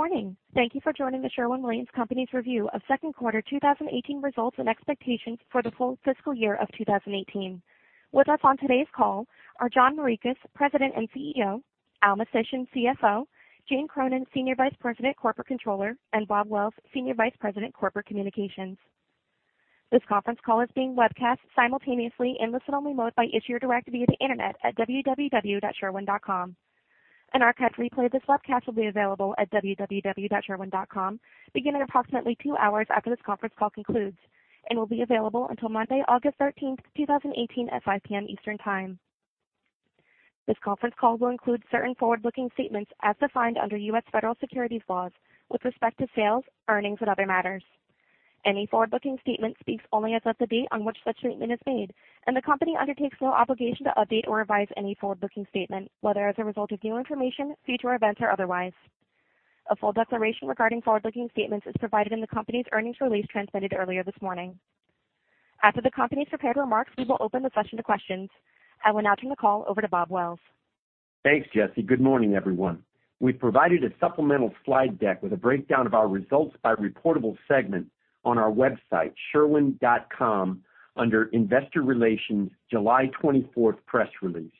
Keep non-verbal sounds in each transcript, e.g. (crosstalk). Good morning. Thank you for joining The Sherwin-Williams Company's review of second quarter 2018 results and expectations for the full fiscal year of 2018. With us on today's call are John Morikis, President and CEO, Al Mistysyn, CFO, Jane Cronin, Senior Vice President Corporate Controller, and Bob Wells, Senior Vice President Corporate Communications. This conference call is being webcast simultaneously in listen-only mode by Issuer Direct via the internet at www.sherwin.com. An archived replay of this webcast will be available at www.sherwin.com beginning approximately two hours after this conference call concludes and will be available until Monday, August 13th, 2018 at 5:00 P.M. Eastern Time. This conference call will include certain forward-looking statements as defined under U.S. federal securities laws with respect to sales, earnings, and other matters. Thanks, Jesse. Good morning, everyone. We've provided a supplemental slide deck with a breakdown of our results by reportable segment on our website, sherwin.com, under Investor Relations July 24th Press Release.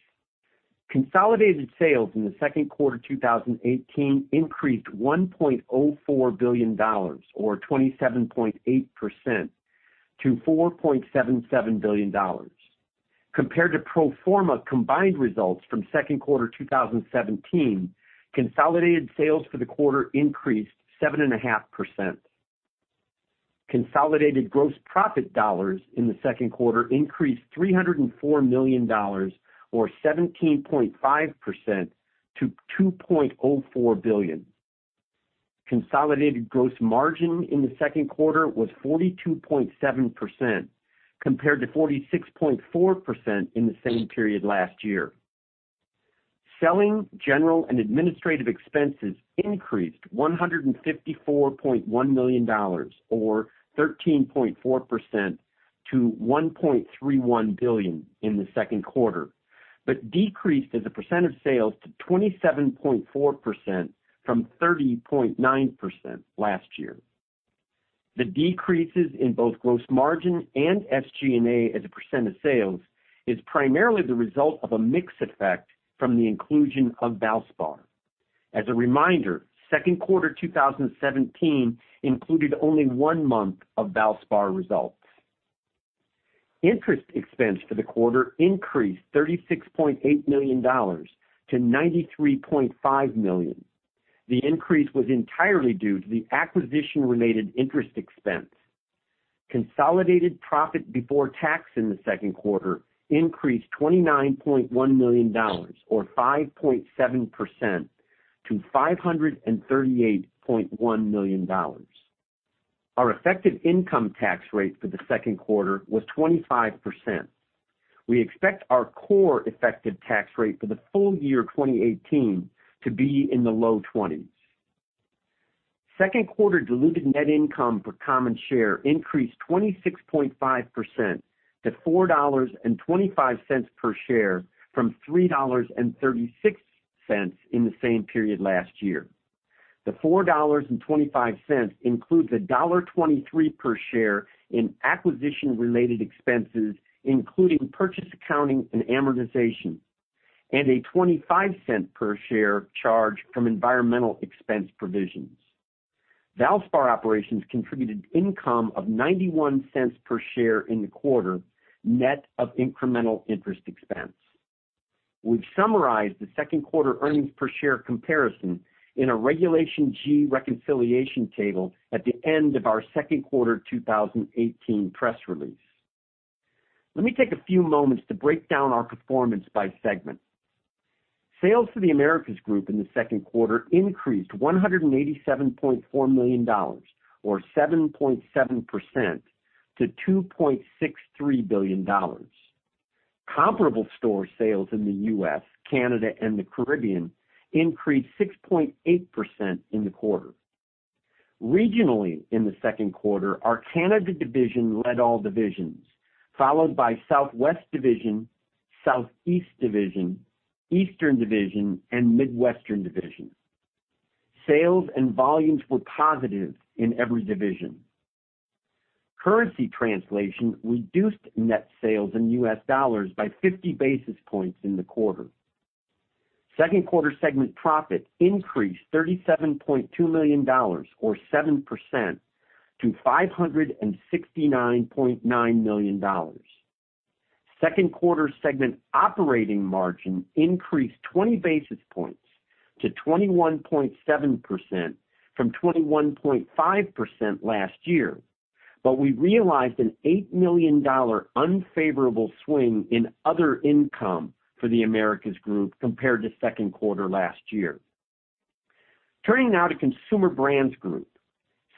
Consolidated sales in the second quarter 2018 increased $1.04 billion or 27.8% to $4.77 billion. Compared to pro forma combined results from second quarter 2017, consolidated sales for the quarter increased 7.5%. Consolidated gross profit dollars in the second quarter increased $304 million or 17.5% to $2.04 billion. Consolidated gross margin in the second quarter was 42.7%, compared to 46.4% in the same period last year. Selling, general, and administrative expenses increased $154.1 million or 13.4% to $1.31 billion in the second quarter, decreased as a % of sales to 27.4% from 30.9% last year The decreases in both gross margin and SG&A as a % of sales is primarily the result of a mix effect from the inclusion of Valspar. As a reminder, second quarter 2017 included only one month of Valspar results. Interest expense for the quarter increased $36.8 million to $93.5 million. The increase was entirely due to the acquisition-related interest expense. Consolidated profit before tax in the second quarter increased $29.1 million or 5.7% to $538.1 million. Our effective income tax rate for the second quarter was 25%. We expect our core effective tax rate for the full year 2018 to be in the low 20s. Second quarter diluted net income per common share increased 26.5% to $4.25 per share from $3.36 in the same period last year. The $4.25 includes a $1.23 per share in acquisition-related expenses, including purchase accounting and amortization, and a $0.25 per share charge from environmental expense provisions. Valspar operations contributed income of $0.91 per share in the quarter, net of incremental interest expense. We've summarized the second quarter earnings per share comparison in a Regulation G reconciliation table at the end of our second quarter 2018 press release. Let me take a few moments to break down our performance by segment. Sales for The Americas Group in the second quarter increased $187.4 million or 7.7% to $2.63 billion. Comparable store sales in the U.S., Canada, and the Caribbean increased 6.8% in the quarter. Regionally in the second quarter, our Canada Division led all divisions, followed by Southwest Division, Southeast Division, Eastern Division, and Midwestern Division. Sales and volumes were positive in every division. Currency translation reduced net sales in U.S. dollars by 50 basis points in the quarter. Second quarter segment profit increased $37.2 million or 7% to $569.9 million. Second quarter segment operating margin increased 20 basis points to 21.7% from 21.5% last year. We realized an $8 million unfavorable swing in other income for The Americas Group compared to second quarter last year. Turning now to Consumer Brands Group.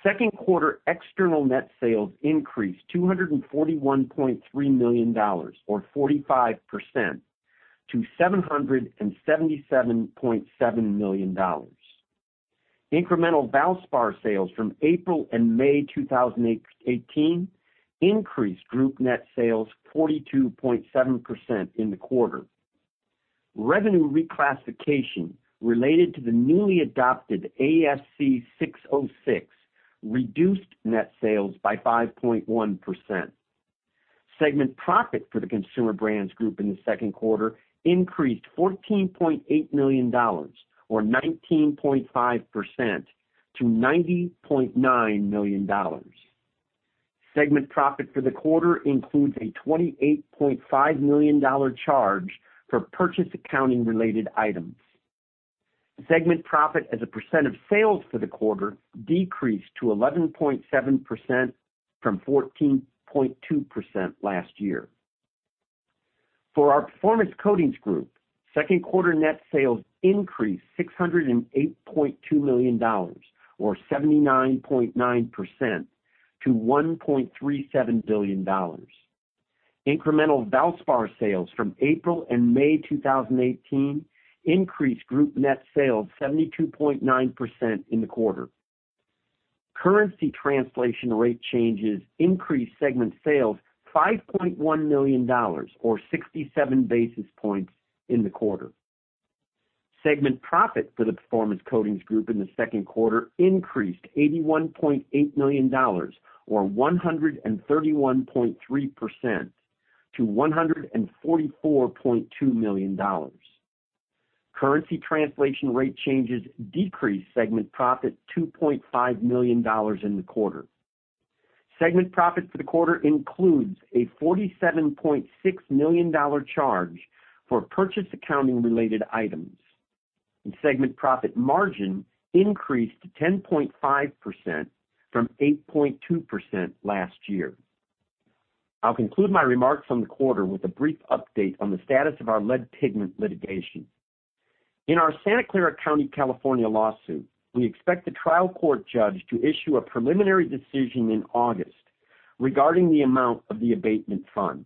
Second quarter external net sales increased $241.3 million or 45% to $777.7 million. Incremental Valspar sales from April and May 2018 increased group net sales 42.7% in the quarter. Revenue reclassification related to the newly adopted ASC 606 reduced net sales by 5.1%. Segment profit for the Consumer Brands Group in the second quarter increased $14.8 million, or 19.5%, to $90.9 million. Segment profit for the quarter includes a $28.5 million charge for purchase accounting-related items. Segment profit as a percent of sales for the quarter decreased to 11.7% from 14.2% last year. For our Performance Coatings Group, second quarter net sales increased $608.2 million or 79.9% to $1.37 billion. Incremental Valspar sales from April and May 2018 increased group net sales 72.9% in the quarter. Currency translation rate changes increased segment sales $5.1 million, or 67 basis points, in the quarter. Segment profit for the Performance Coatings Group in the second quarter increased $81.8 million, or 131.3%, to $144.2 million. Currency translation rate changes decreased segment profit $2.5 million in the quarter. Segment profit for the quarter includes a $47.6 million charge for purchase accounting-related items. Segment profit margin increased to 10.5% from 8.2% last year. I'll conclude my remarks on the quarter with a brief update on the status of our lead pigment litigation. In our Santa Clara County, California lawsuit, we expect the trial court judge to issue a preliminary decision in August regarding the amount of the abatement fund.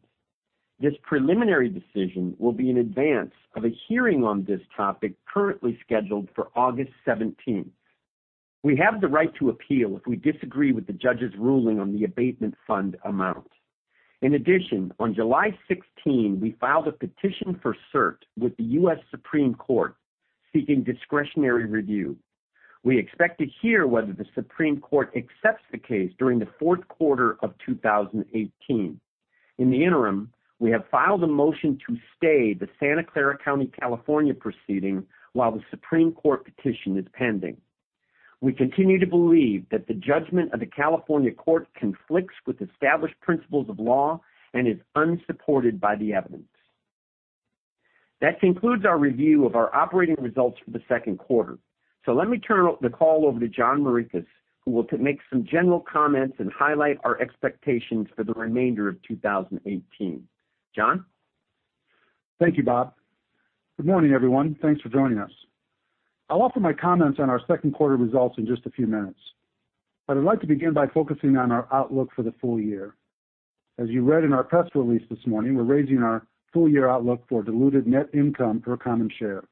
This preliminary decision will be in advance of a hearing on this topic currently scheduled for August 17th. We have the right to appeal if we disagree with the judge's ruling on the abatement fund amount. In addition, on July 16, we filed a petition for cert with the U.S. Supreme Court seeking discretionary review. We expect to hear whether the Supreme Court accepts the case during the fourth quarter of 2018. In the interim, we have filed a motion to stay the Santa Clara County, California proceeding while the Supreme Court petition is pending. We continue to believe that the judgment of the California court conflicts with established principles of law and is unsupported by the evidence. That concludes our review of our operating results for the second quarter. Let me turn the call over to John Morikis, who will make some general comments and highlight our expectations for the remainder of 2018. John? Thank you, Bob. Good morning, everyone. Thanks for joining us. I'll offer my comments on our second quarter results in just a few minutes. I'd like to begin by focusing on our outlook for the full year. As you read in our press release this morning, we're raising our full-year outlook for diluted net income per common share.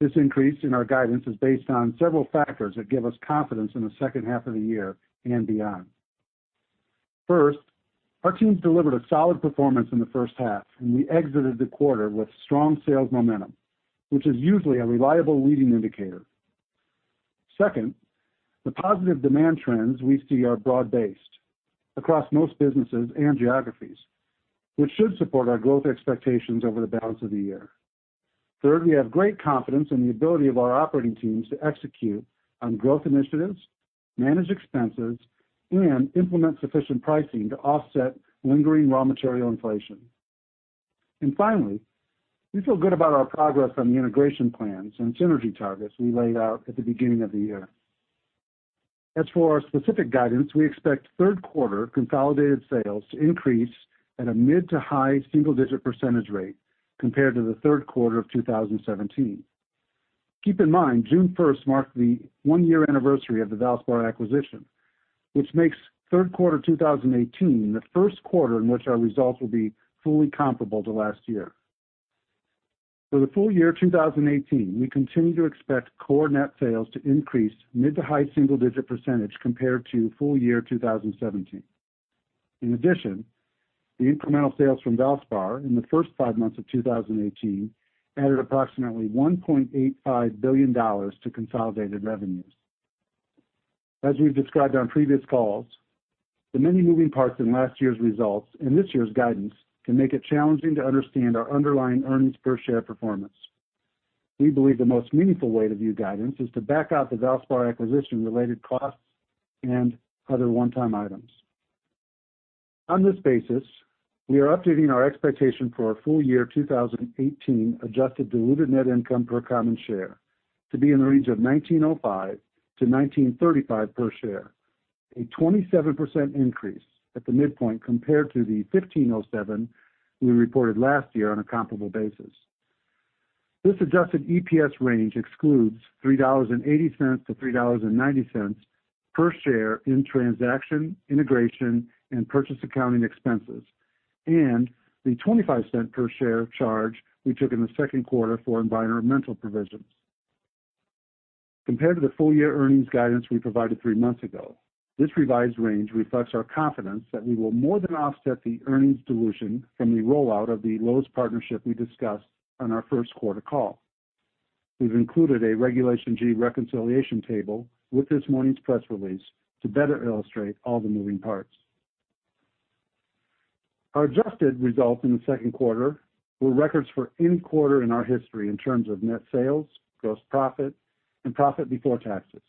This increase in our guidance is based on several factors that give us confidence in the second half of the year and beyond. First, our teams delivered a solid performance in the first half. We exited the quarter with strong sales momentum, which is usually a reliable leading indicator. Second, the positive demand trends we see are broad-based across most businesses and geographies, which should support our growth expectations over the balance of the year. Third, we have great confidence in the ability of our operating teams to execute on growth initiatives, manage expenses, and implement sufficient pricing to offset lingering raw material inflation. Finally, we feel good about our progress on the integration plans and synergy targets we laid out at the beginning of the year. As for our specific guidance, we expect third quarter consolidated sales to increase at a mid to high single-digit % rate compared to the third quarter of 2017. Keep in mind, June 1st marked the one-year anniversary of the Valspar acquisition, which makes third quarter 2018 the first quarter in which our results will be fully comparable to last year. For the full year 2018, we continue to expect core net sales to increase mid to high single-digit % compared to full year 2017. In addition, the incremental sales from Valspar in the first five months of 2018 added approximately $1.85 billion to consolidated revenues. As we've described on previous calls, the many moving parts in last year's results and this year's guidance can make it challenging to understand our underlying earnings per share performance. We believe the most meaningful way to view guidance is to back out the Valspar acquisition-related costs and other one-time items. On this basis, we are updating our expectation for our full year 2018 adjusted diluted net income per common share to be in the range of $19.05-$19.35 per share, a 27% increase at the midpoint compared to the $15.07 we reported last year on a comparable basis. This adjusted EPS range excludes $3.80-$3.90 per share in transaction, integration, and purchase accounting expenses, and the $0.25 per share charge we took in the second quarter for environmental provisions. Compared to the full year earnings guidance we provided three months ago, this revised range reflects our confidence that we will more than offset the earnings dilution from the rollout of the Lowe's partnership we discussed on our first quarter call. We've included a Regulation G reconciliation table with this morning's press release to better illustrate all the moving parts. Our adjusted results in the second quarter were records for any quarter in our history in terms of net sales, gross profit, and profit before taxes.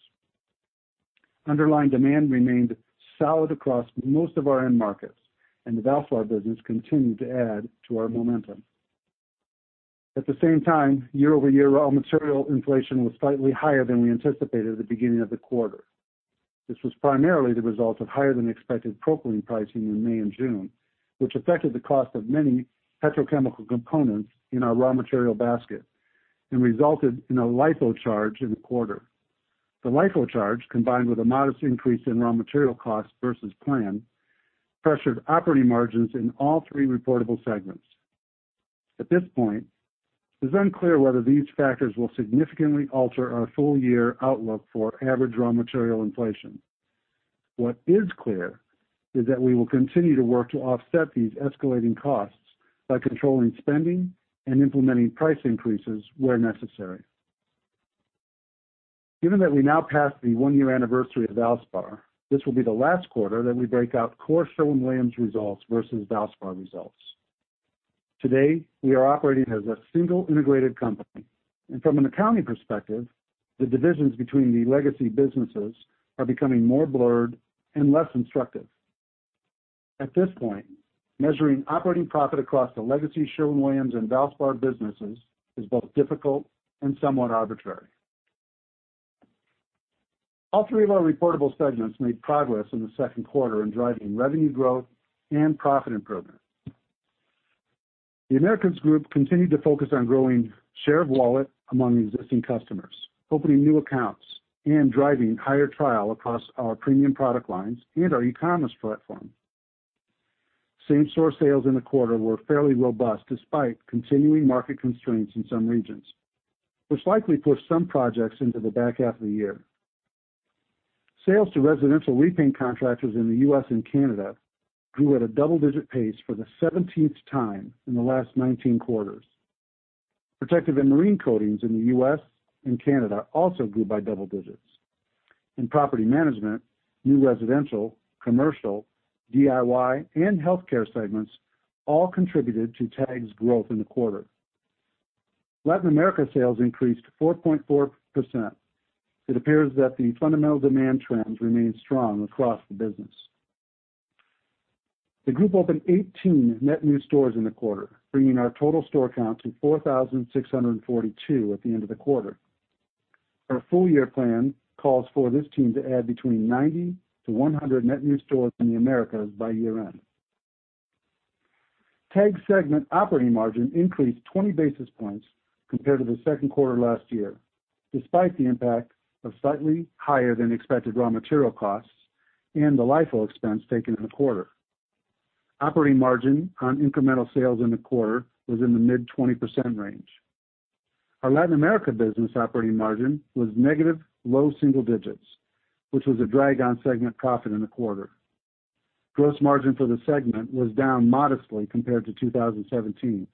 Underlying demand remained solid across most of our end markets, and the Valspar business continued to add to our momentum. At the same time, year-over-year raw material inflation was slightly higher than we anticipated at the beginning of the quarter. This was primarily the result of higher than expected propylene pricing in May and June, which affected the cost of many petrochemical components in our raw material basket and resulted in a LIFO charge in the quarter. The LIFO charge, combined with a modest increase in raw material costs versus plan, pressured operating margins in all three reportable segments. At this point, it's unclear whether these factors will significantly alter our full-year outlook for average raw material inflation. What is clear is that we will continue to work to offset these escalating costs by controlling spending and implementing price increases where necessary. Given that we now pass the one-year anniversary of Valspar, this will be the last quarter that we break out core Sherwin-Williams results versus Valspar results. Today, we are operating as a single integrated company, and from an accounting perspective, the divisions between the legacy businesses are becoming more blurred and less instructive. At this point, measuring operating profit across the legacy Sherwin-Williams and Valspar businesses is both difficult and somewhat arbitrary. All three of our reportable segments made progress in the second quarter in driving revenue growth and profit improvement. The Americas Group continued to focus on growing share of wallet among existing customers, opening new accounts, and driving higher trial across our premium product lines and our e-commerce platform. Same-store sales in the quarter were fairly robust despite continuing market constraints in some regions, which likely pushed some projects into the back half of the year. Sales to residential repaint contractors in the U.S. and Canada grew at a double-digit pace for the 17th time in the last 19 quarters. Protective and marine coatings in the U.S. and Canada also grew by double digits. In property management, new residential, commercial, DIY, and healthcare segments all contributed to TAG's growth in the quarter. Latin America sales increased 4.4%. It appears that the fundamental demand trends remain strong across the business. The group opened 18 net new stores in the quarter, bringing our total store count to 4,642 at the end of the quarter. Our full-year plan calls for this team to add between 90 to 100 net new stores in the Americas by year-end. TAG segment operating margin increased 20 basis points compared to the second quarter last year, despite the impact of slightly higher than expected raw material costs and the LIFO expense taken in the quarter. Operating margin on incremental sales in the quarter was in the mid 20% range. Our Latin America business operating margin was negative low single digits, which was a drag on segment profit in the quarter. Gross margin for the segment was down modestly compared to 2017,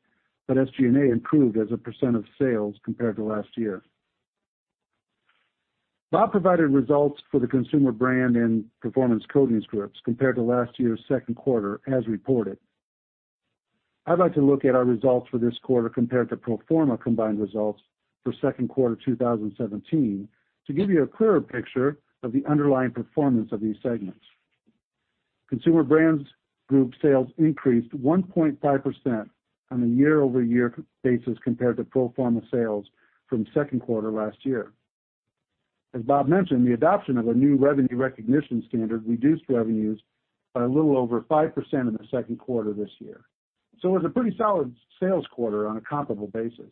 but SG&A improved as a percent of sales compared to last year. Bob provided results for the Consumer Brands and Performance Coatings Group compared to last year's second quarter as reported. I'd like to look at our results for this quarter compared to pro forma combined results for second quarter 2017 to give you a clearer picture of the underlying performance of these segments. Consumer Brands Group sales increased 1.5% on a year-over-year basis compared to pro forma sales from second quarter last year. As Bob mentioned, the adoption of a new revenue recognition standard reduced revenues by a little over 5% in the second quarter this year. It was a pretty solid sales quarter on a comparable basis.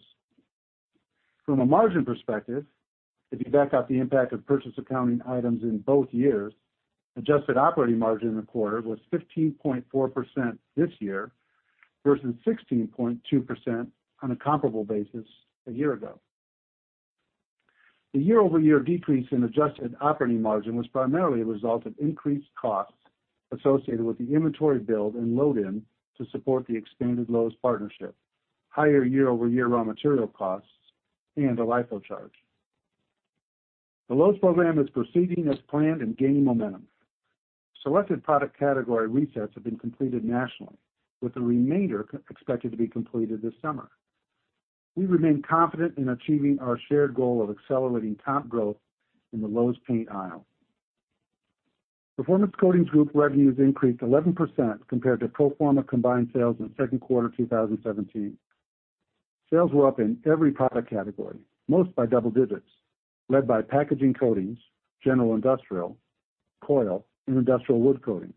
From a margin perspective, if you back out the impact of purchase accounting items in both years, adjusted operating margin in the quarter was 15.4% this year versus 16.2% on a comparable basis a year ago. The year-over-year decrease in adjusted operating margin was primarily a result of increased costs associated with the inventory build and load in to support the expanded Lowe's partnership, higher year-over-year raw material costs, and a LIFO charge. The Lowe's program is proceeding as planned and gaining momentum. Selected product category resets have been completed nationally, with the remainder expected to be completed this summer. We remain confident in achieving our shared goal of accelerating top growth in the Lowe's paint aisle. Performance Coatings Group revenues increased 11% compared to pro forma combined sales in second quarter 2017. Sales were up in every product category, most by double digits, led by packaging coatings, general industrial, coil, and industrial wood coatings.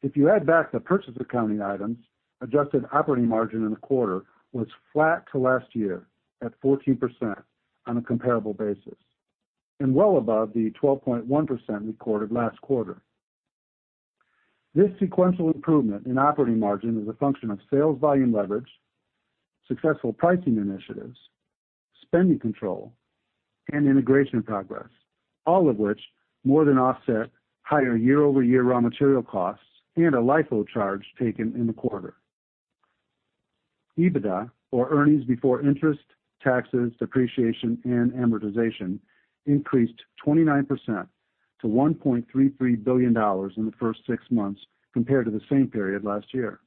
If you add back the purchase accounting items, adjusted operating margin in the quarter was flat to last year at 14% on a comparable basis and well above the 12.1% recorded last quarter. This sequential improvement in operating margin is a function of sales volume leverage, successful pricing initiatives, spending control, and integration progress, all of which more than offset higher year-over-year raw material costs and a LIFO charge taken in the quarter. EBITDA, or earnings before interest, taxes, depreciation, and amortization, increased 29% to $1.33 billion in the first six months compared to the same period last year.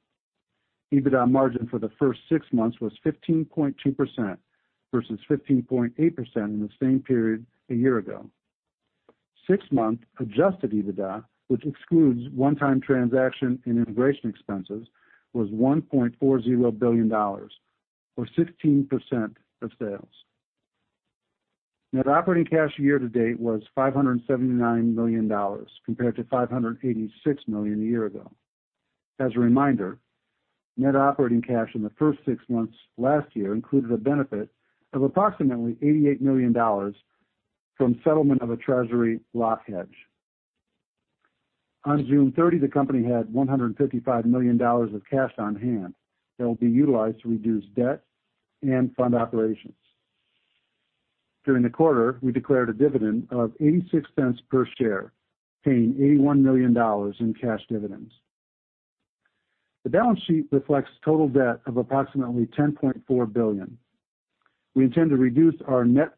EBITDA margin for the first six months was 15.2% versus 15.8% in the same period a year ago. Six-month adjusted EBITDA, which excludes one-time transaction and integration expenses, was $1.40 billion, or 16% of sales. Net operating cash year to date was $579 million, compared to $586 million a year ago. As a reminder, net operating cash in the first six months last year included a benefit of approximately $88 million from settlement of a treasury lock hedge. On June 30, the company had $155 million of cash on hand that will be utilized to reduce debt and fund operations. During the quarter, we declared a dividend of $0.86 per share, paying $81 million in cash dividends. The balance sheet reflects total debt of approximately $10.4 billion. We intend to reduce our net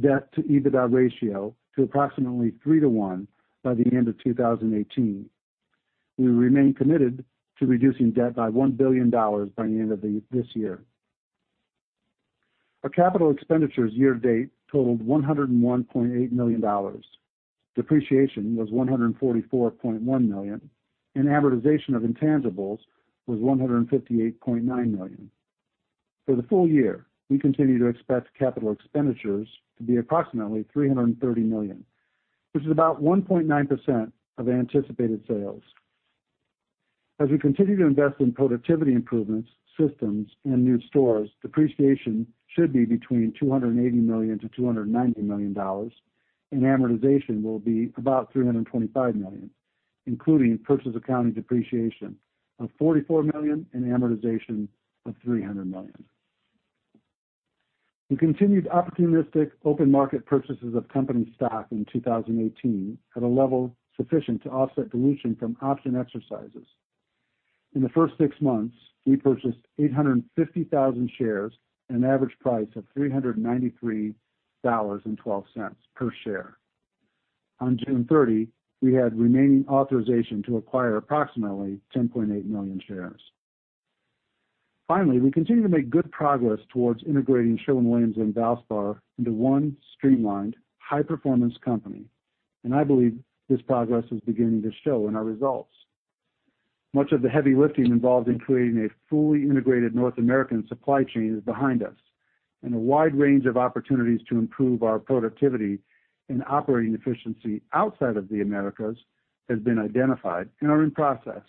debt to EBITDA ratio to approximately 3 to 1 by the end of 2018. We remain committed to reducing debt by $1 billion by the end of this year. Our capital expenditures year to date totaled $101.8 million. Depreciation was $144.1 million, and amortization of intangibles was $158.9 million. For the full year, we continue to expect capital expenditures to be approximately $330 million, which is about 1.9% of anticipated sales. As we continue to invest in productivity improvements, systems, and new stores, depreciation should be between $280 million-$290 million, and amortization will be about $325 million, including purchase accounting depreciation of $44 million and amortization of $300 million. We continued opportunistic open market purchases of company stock in 2018 at a level sufficient to offset dilution from option exercises. In the first six months, we purchased 850,000 shares at an average price of $393.12 per share. On June 30, we had remaining authorization to acquire approximately 10.8 million shares. Finally, we continue to make good progress towards integrating Sherwin-Williams and Valspar into one streamlined, high-performance company, and I believe this progress is beginning to show in our results. Much of the heavy lifting involved in creating a fully integrated North American supply chain is behind us, and a wide range of opportunities to improve our productivity and operating efficiency outside of the Americas has been identified and are in process.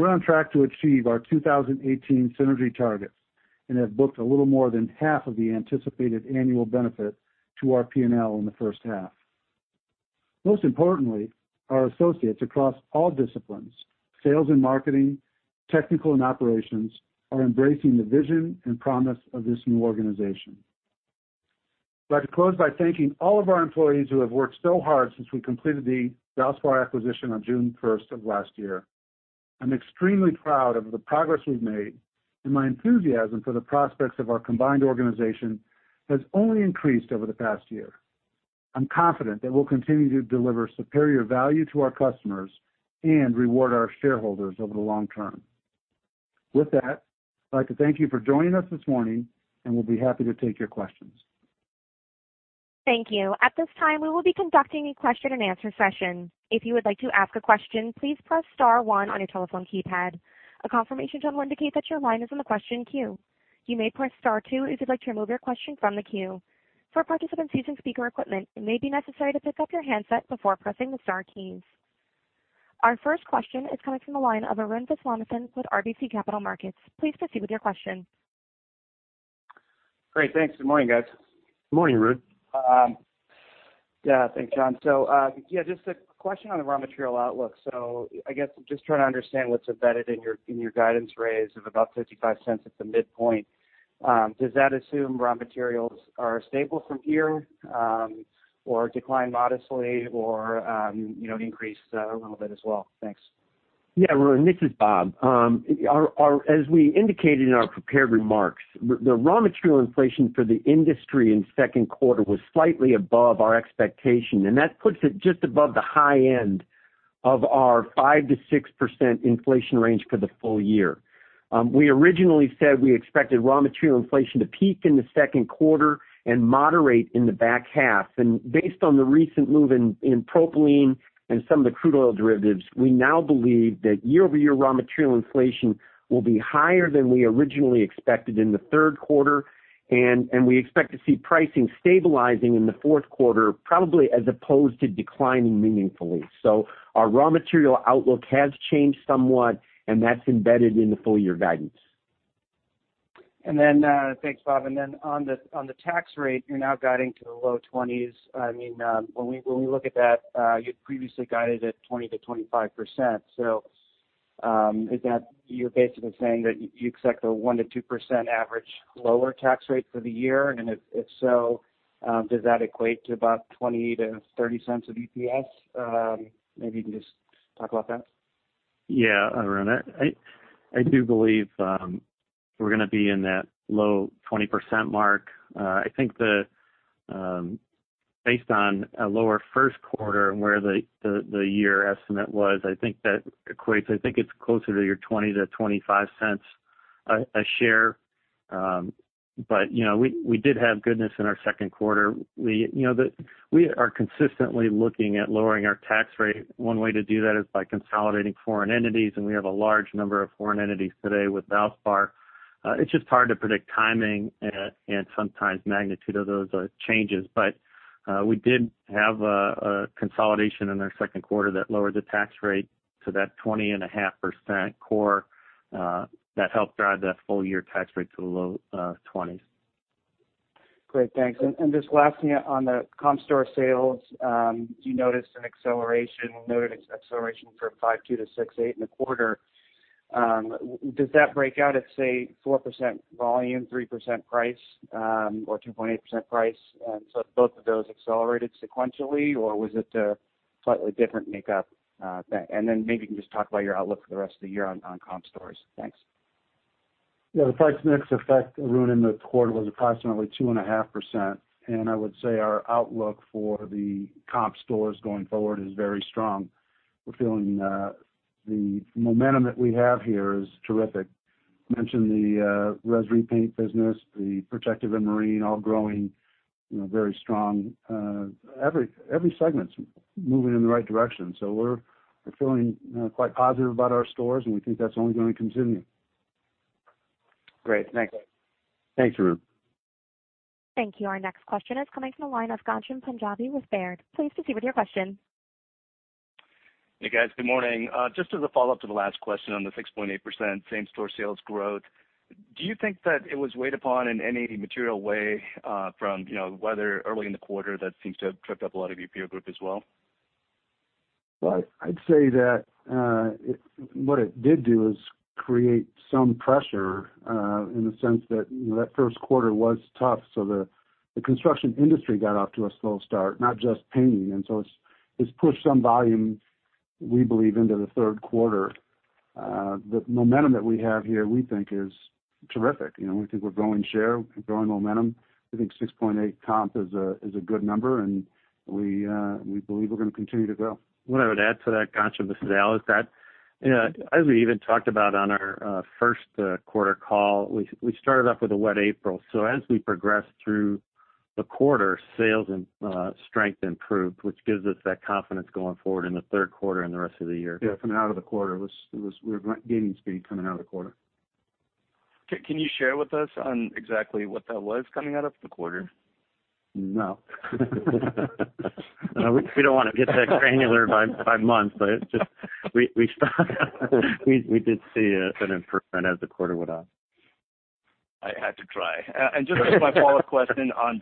We're on track to achieve our 2018 synergy targets and have booked a little more than half of the anticipated annual benefit to our P&L in the first half. Most importantly, our associates across all disciplines, sales and marketing, technical and operations, are embracing the vision and promise of this new organization. I'd like to close by thanking all of our employees who have worked so hard since we completed the Valspar acquisition on June 1st of last year. I'm extremely proud of the progress we've made, and my enthusiasm for the prospects of our combined organization has only increased over the past year. I'm confident that we'll continue to deliver superior value to our customers and reward our shareholders over the long term. With that, I'd like to thank you for joining us this morning, and we'll be happy to take your questions. Thank you. At this time, we will be conducting a question and answer session. If you would like to ask a question, please press star 1 on your telephone keypad. A confirmation tone will indicate that your line is in the question queue. You may press star 2 if you'd like to remove your question from the queue. For participants using speaker equipment, it may be necessary to pick up your handset before pressing the star keys. Our first question is coming from the line of Arun Viswanathan with RBC Capital Markets. Please proceed with your question. Great. Thanks. Good morning, guys. Good morning, Arun. Yeah. Thanks, John. Just a question on the raw material outlook. I guess I'm just trying to understand what's embedded in your guidance raise of about $0.55 at the midpoint. Does that assume raw materials are stable from here or decline modestly or increase a little bit as well? Thanks. Yeah, Arun, this is Bob. As we indicated in our prepared remarks, the raw material inflation for the industry in second quarter was slightly above our expectation, and that puts it just above the high end of our 5%-6% inflation range for the full year. We originally said we expected raw material inflation to peak in the second quarter and moderate in the back half. And based on the recent move in propylene and some of the crude oil derivatives, we now believe that year-over-year raw material inflation will be higher than we originally expected in the third quarter, and we expect to see pricing stabilizing in the fourth quarter, probably as opposed to declining meaningfully. Our raw material outlook has changed somewhat, and that's embedded in the full year guidance. Thanks, Bob. On the tax rate, you're now guiding to the low 20s. When we look at that, you'd previously guided at 20%-25%. You're basically saying that you expect a 1%-2% average lower tax rate for the year? If so, does that equate to about $0.20-$0.30 of EPS? Maybe you can just talk about that. Yeah, Arun. I do believe we're going to be in that low 20% mark. I think based on a lower first quarter and where the year estimate was, I think that equates, it's closer to your $0.20-$0.25 a share. We did have goodness in our second quarter. We are consistently looking at lowering our tax rate. One way to do that is by consolidating foreign entities, and we have a large number of foreign entities today with Valspar. It's just hard to predict timing and sometimes magnitude of those changes. We did have a consolidation in our second quarter that lowered the tax rate to that 20.5% core. That helped drive the full-year tax rate to the low 20s. Great, thanks. Just last thing on the comp store sales. Do you notice an acceleration? We noted acceleration from 5.2%-6.8% in the quarter. Does that break out at, say, 4% volume, 3% price, or 2.8% price? Both of those accelerated sequentially, or was it a slightly different makeup? Maybe you can just talk about your outlook for the rest of the year on comp stores. Thanks. Yeah. The price mix effect, Arun, in the quarter was approximately 2.5%. I would say our outlook for the comp stores going forward is very strong. We're feeling the momentum that we have here is terrific. Mentioned the res repaint business, the protective and marine, all growing very strong. Every segment's moving in the right direction. We're feeling quite positive about our stores, and we think that's only going to continue. Great, thanks. Thanks, Arun. Thank you. Our next question is coming from the line of Gunjan Pradhan with Baird. Please proceed with your question. Hey, guys. Good morning. Just as a follow-up to the last question on the 6.8% same-store sales growth, do you think that it was weighed upon in any material way from the weather early in the quarter that seems to have tripped up a lot of your peer group as well? Well, I'd say that what it did do is create some pressure in the sense that first quarter was tough, the construction industry got off to a slow start, not just painting. It's pushed some volume, we believe, into the third quarter. The momentum that we have here, we think is terrific. We think we're growing share, we're growing momentum. I think 6.8% comp is a good number, we believe we're going to continue to grow. What I would add to that, Gunjan, with, (inaudible) is that as we even talked about on our first quarter call, we started off with a wet April. As we progressed through the quarter, sales strength improved, which gives us that confidence going forward in the third quarter and the rest of the year. Yeah, coming out of the quarter, we're gaining speed coming out of the quarter. Can you share with us on exactly what that was coming out of the quarter? No. We don't want to get that granular by month, but we did see an improvement as the quarter went on. Just as my follow-up question on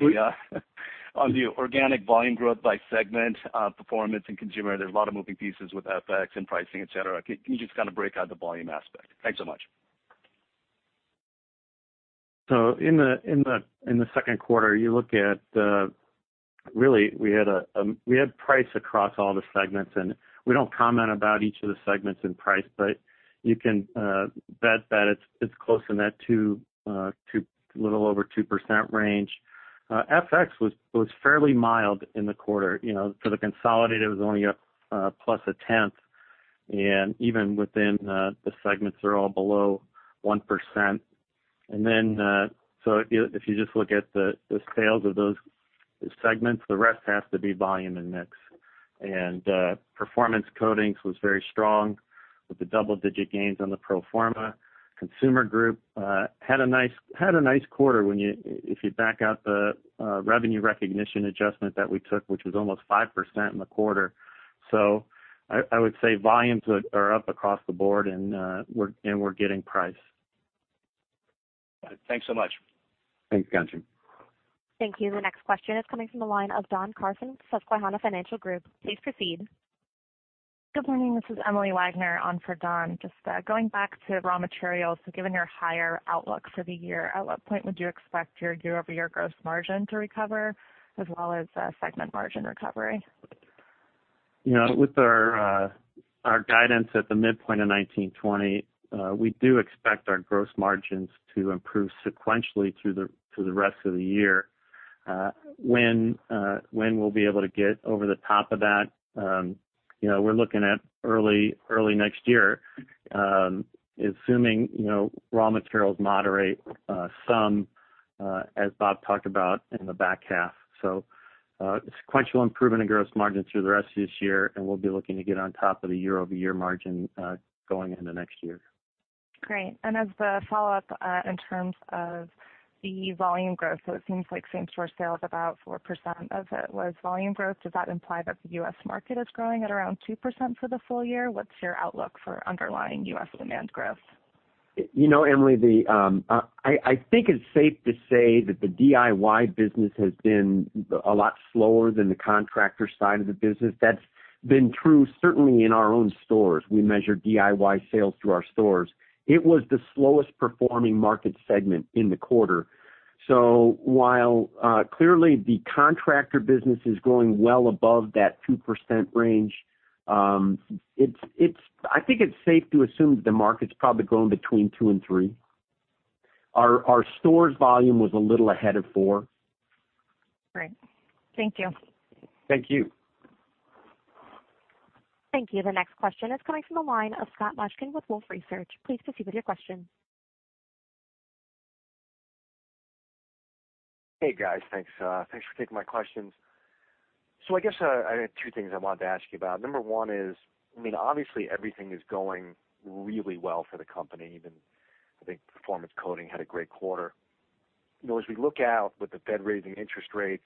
the organic volume growth by segment, Performance in Consumer, there's a lot of moving pieces with FX and pricing, et cetera. Can you just kind of break out the volume aspect? Thanks so much. In the second quarter, we had price across all the segments, and we don't comment about each of the segments in price, but you can bet that it's close in that little over 2% range. FX was fairly mild in the quarter. For the consolidated, it was only up plus 0.1%, and even within the segments are all below 1%. If you just look at the sales of those segments, the rest has to be volume and mix. Performance Coatings was very strong with the double-digit gains on the pro forma. Consumer group had a nice quarter if you back out the Revenue Recognition adjustment that we took, which was almost 5% in the quarter. I would say volumes are up across the board, and we're getting price. Got it. Thanks so much. Thanks, Gunjan. Thank you. The next question is coming from the line of Don Carson, Susquehanna Financial Group. Please proceed. Good morning. This is Emily Wagner on for Don. Just going back to raw materials, given your higher outlook for the year, at what point would you expect your year-over-year gross margin to recover as well as segment margin recovery? With our guidance at the midpoint of 19-20, we do expect our gross margins to improve sequentially through the rest of the year. When we'll be able to get over the top of that? We're looking at early next year, assuming raw materials moderate some, as Bob talked about, in the back half. Sequential improvement in gross margin through the rest of this year, and we'll be looking to get on top of the year-over-year margin going into next year. Great. As the follow-up in terms of the volume growth. It seems like same-store sales, about 4% of it was volume growth. Does that imply that the U.S. market is growing at around 2% for the full year? What's your outlook for underlying U.S. demand growth? Emily, I think it's safe to say that the DIY business has been a lot slower than the contractor side of the business. That's been true certainly in our own stores. We measure DIY sales through our stores. It was the slowest performing market segment in the quarter. While clearly the contractor business is growing well above that 2% range, I think it's safe to assume that the market's probably growing between 2% and 3%. Our stores volume was a little ahead of 4%. Great. Thank you. Thank you. Thank you. The next question is coming from the line of Scott Mushkin with Wolfe Research. Please proceed with your question. Hey, guys. Thanks for taking my questions. I guess I had two things I wanted to ask you about. Number one is, obviously everything is going really well for the company. Even, I think, Performance Coatings had a great quarter. As we look out with the Fed raising interest rates,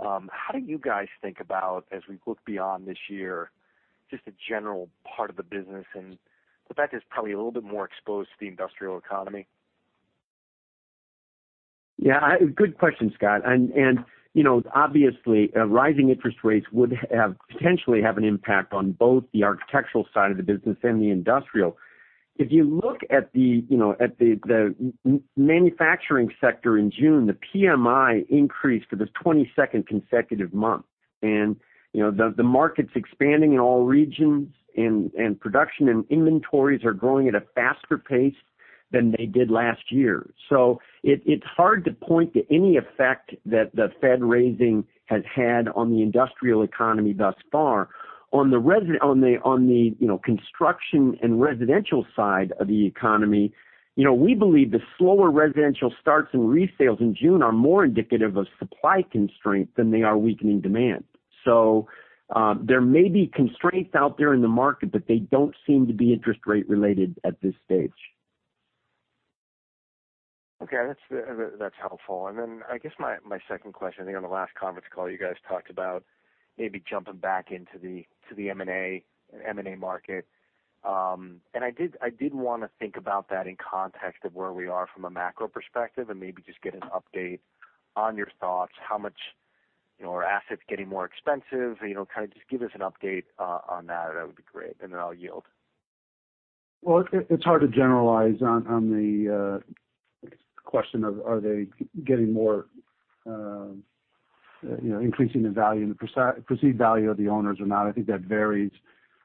how do you guys think about, as we look beyond this year, just the general part of the business and the fact it's probably a little bit more exposed to the industrial economy? Yeah. Good question, Scott. Obviously, rising interest rates would potentially have an impact on both the architectural side of the business and the industrial. If you look at the manufacturing sector in June, the PMI increased for the 22nd consecutive month, and the market's expanding in all regions, and production and inventories are growing at a faster pace than they did last year. It's hard to point to any effect that the Fed raising has had on the industrial economy thus far. On the construction and residential side of the economy, we believe the slower residential starts and resales in June are more indicative of supply constraint than they are weakening demand. There may be constraints out there in the market, but they don't seem to be interest rate related at this stage. Okay. That's helpful. I guess my second question, I think on the last conference call, you guys talked about maybe jumping back into the M&A market. I did want to think about that in context of where we are from a macro perspective and maybe just get an update on your thoughts, how much are assets getting more expensive? Kind of just give us an update on that. That would be great. I'll yield. Well, it's hard to generalize on the question of, are they increasing the value and the perceived value of the owners or not? I think that varies.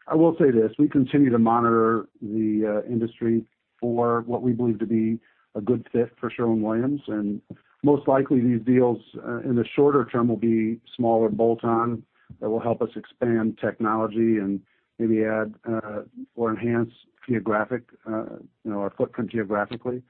I will say this. Most likely these deals in the shorter term will be smaller bolt on that will help us expand technology and maybe add or enhance our footprint geographically.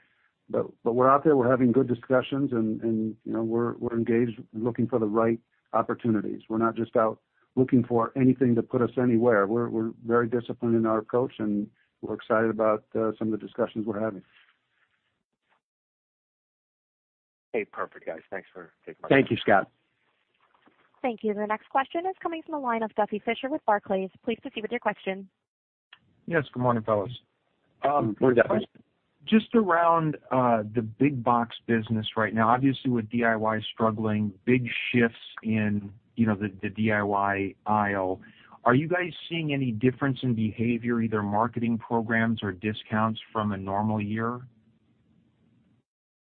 We're out there, we're having good discussions, and we're engaged, looking for the right opportunities. We're not just out looking for anything to put us anywhere. We're very disciplined in our approach, and we're excited about some of the discussions we're having. Okay. Perfect, guys. Thanks for taking my call. Thank you, Scott. Thank you. The next question is coming from the line of Duffy Fischer with Barclays. Please proceed with your question. Yes. Good morning, fellas. Morning, Duffy. Just around the big box business right now, obviously with DIY struggling, big shifts in the DIY aisle. Are you guys seeing any difference in behavior, either marketing programs or discounts from a normal year?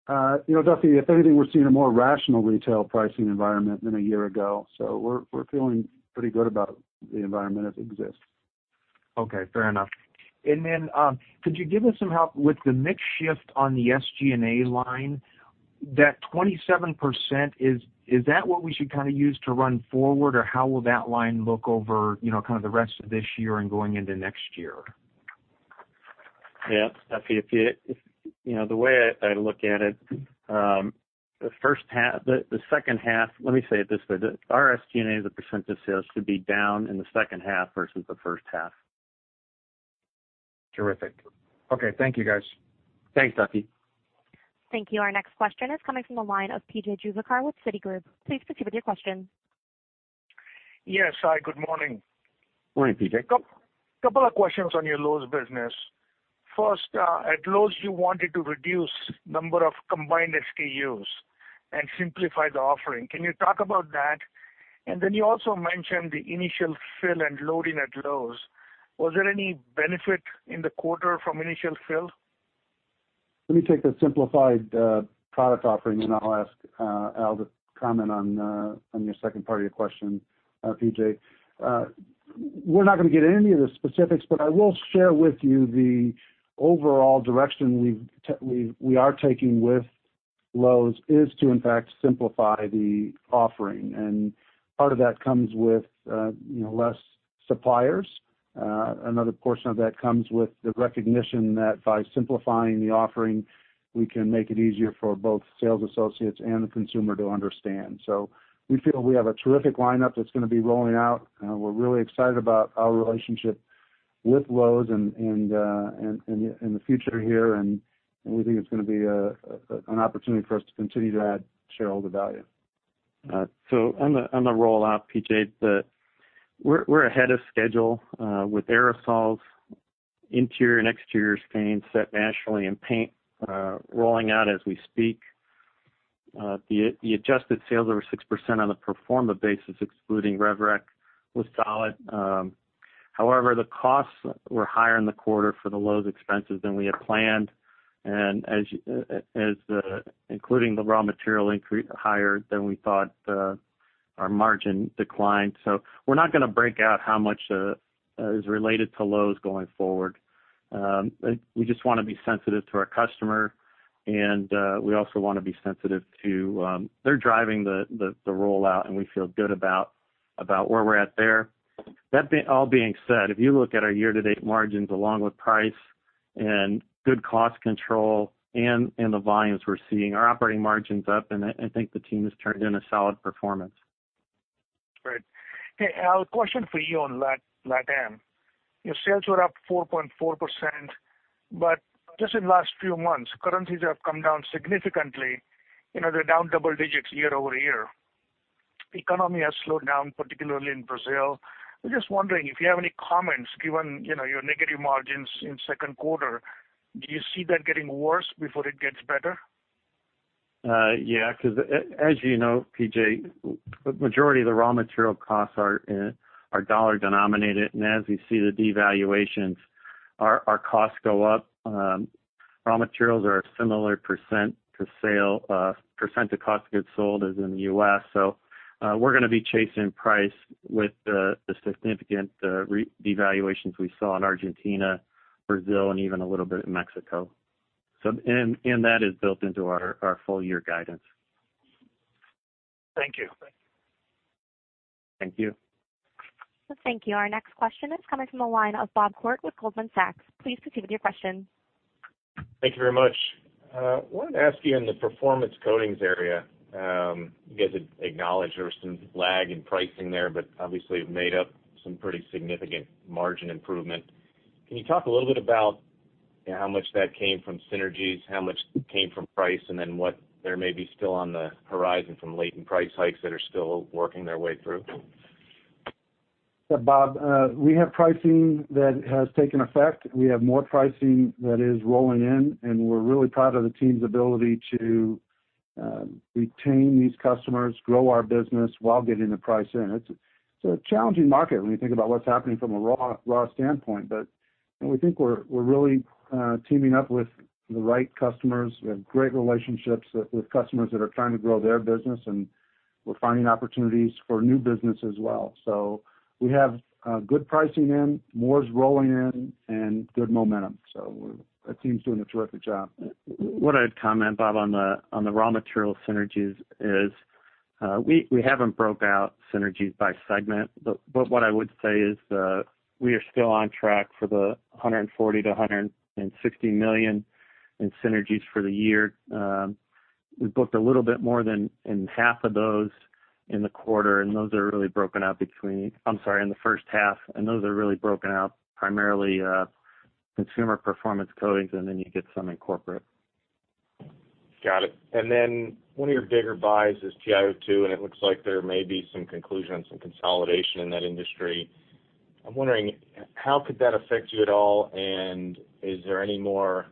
Duffy, if anything, we're seeing a more rational retail pricing environment than a year ago, so we're feeling pretty good about the environment as it exists. Okay, fair enough. Could you give us some help with the mix shift on the SG&A line? That 27%, is that what we should kind of use to run forward? Or how will that line look over kind of the rest of this year and going into next year? Yeah. Duffy, the way I look at it, let me say it this way, our SG&A as a % of sales should be down in the second half versus the first half. Terrific. Okay, thank you, guys. Thanks, Duffy. Thank you. Our next question is coming from the line of P.J. Juvekar with Citigroup. Please proceed with your question. Yes. Hi, good morning. Morning, PJ. Couple of questions on your Lowe's business. First, at Lowe's, you wanted to reduce number of combined SKUs and simplify the offering. Can you talk about that? Then you also mentioned the initial fill and loading at Lowe's. Was there any benefit in the quarter from initial fill? Let me take the simplified product offering, and I'll ask Al to comment on your second part of your question, PJ. We're not going to get into any of the specifics, but I will share with you the overall direction we are taking with Lowe's is to in fact simplify the offering, and part of that comes with less suppliers. Another portion of that comes with the recognition that by simplifying the offering, we can make it easier for both sales associates and the consumer to understand. We feel we have a terrific lineup that's going to be rolling out. We're really excited about our relationship with Lowe's and in the future here, and we think it's going to be an opportunity for us to continue to add shareholder value. On the rollout, PJ, we're ahead of schedule with aerosols, interior and exterior paints set nationally, and paint rolling out as we speak. The adjusted sales over 6% on the pro forma basis, excluding RevRec, was solid. However, the costs were higher in the quarter for the Lowe's expenses than we had planned, including the raw material increase, higher than we thought, our margin declined. We're not going to break out how much is related to Lowe's going forward. We just want to be sensitive to our customer, and we also want to be sensitive to. They're driving the rollout, and we feel good about where we're at there. That all being said, if you look at our year-to-date margins along with price and good cost control and the volumes we're seeing, our operating margin's up, and I think the team has turned in a solid performance. Great. Hey, Al, question for you on LATAM. Your sales were up 4.4%, but just in the last few months, currencies have come down significantly. They're down double digits year-over-year. Economy has slowed down, particularly in Brazil. I'm just wondering if you have any comments, given your negative margins in second quarter. Do you see that getting worse before it gets better? Yeah, because as you know, PJ, the majority of the raw material costs are dollar-denominated. As we see the devaluations, our costs go up. Raw materials are a similar percent to cost goods sold as in the U.S. We're going to be chasing price with the significant devaluations we saw in Argentina, Brazil, and even a little bit in Mexico. That is built into our full-year guidance. Thank you. Thank you. Thank you. Our next question is coming from the line of Bob Koort with Goldman Sachs. Please proceed with your questions. Thank you very much. I wanted to ask you in the Performance Coatings area, you guys have acknowledged there was some lag in pricing there, but obviously have made up some pretty significant margin improvement. Can you talk a little bit about how much that came from synergies, how much came from price, and then what there may be still on the horizon from latent price hikes that are still working their way through? Bob, we have pricing that has taken effect. We have more pricing that is rolling in. We're really proud of the team's ability to retain these customers, grow our business while getting the price in. It's a challenging market when you think about what's happening from a raw standpoint. We think we're really teaming up with the right customers. We have great relationships with customers that are trying to grow their business. We're finding opportunities for new business as well. We have good pricing in, more is rolling in, and good momentum. The team's doing a terrific job. What I'd comment, Bob, on the raw material synergies is, we haven't broke out synergies by segment. What I would say is we are still on track for the $140 million-$160 million in synergies for the year. We booked a little bit more than in half of those in the quarter. Those are really broken out between, I'm sorry, in the first half. Those are really broken out primarily Consumer performance coatings. Then you get some in corporate. Got it. One of your bigger buys is TiO2. It looks like there may be some conclusion on some consolidation in that industry. I'm wondering, how could that affect you at all? Is there any more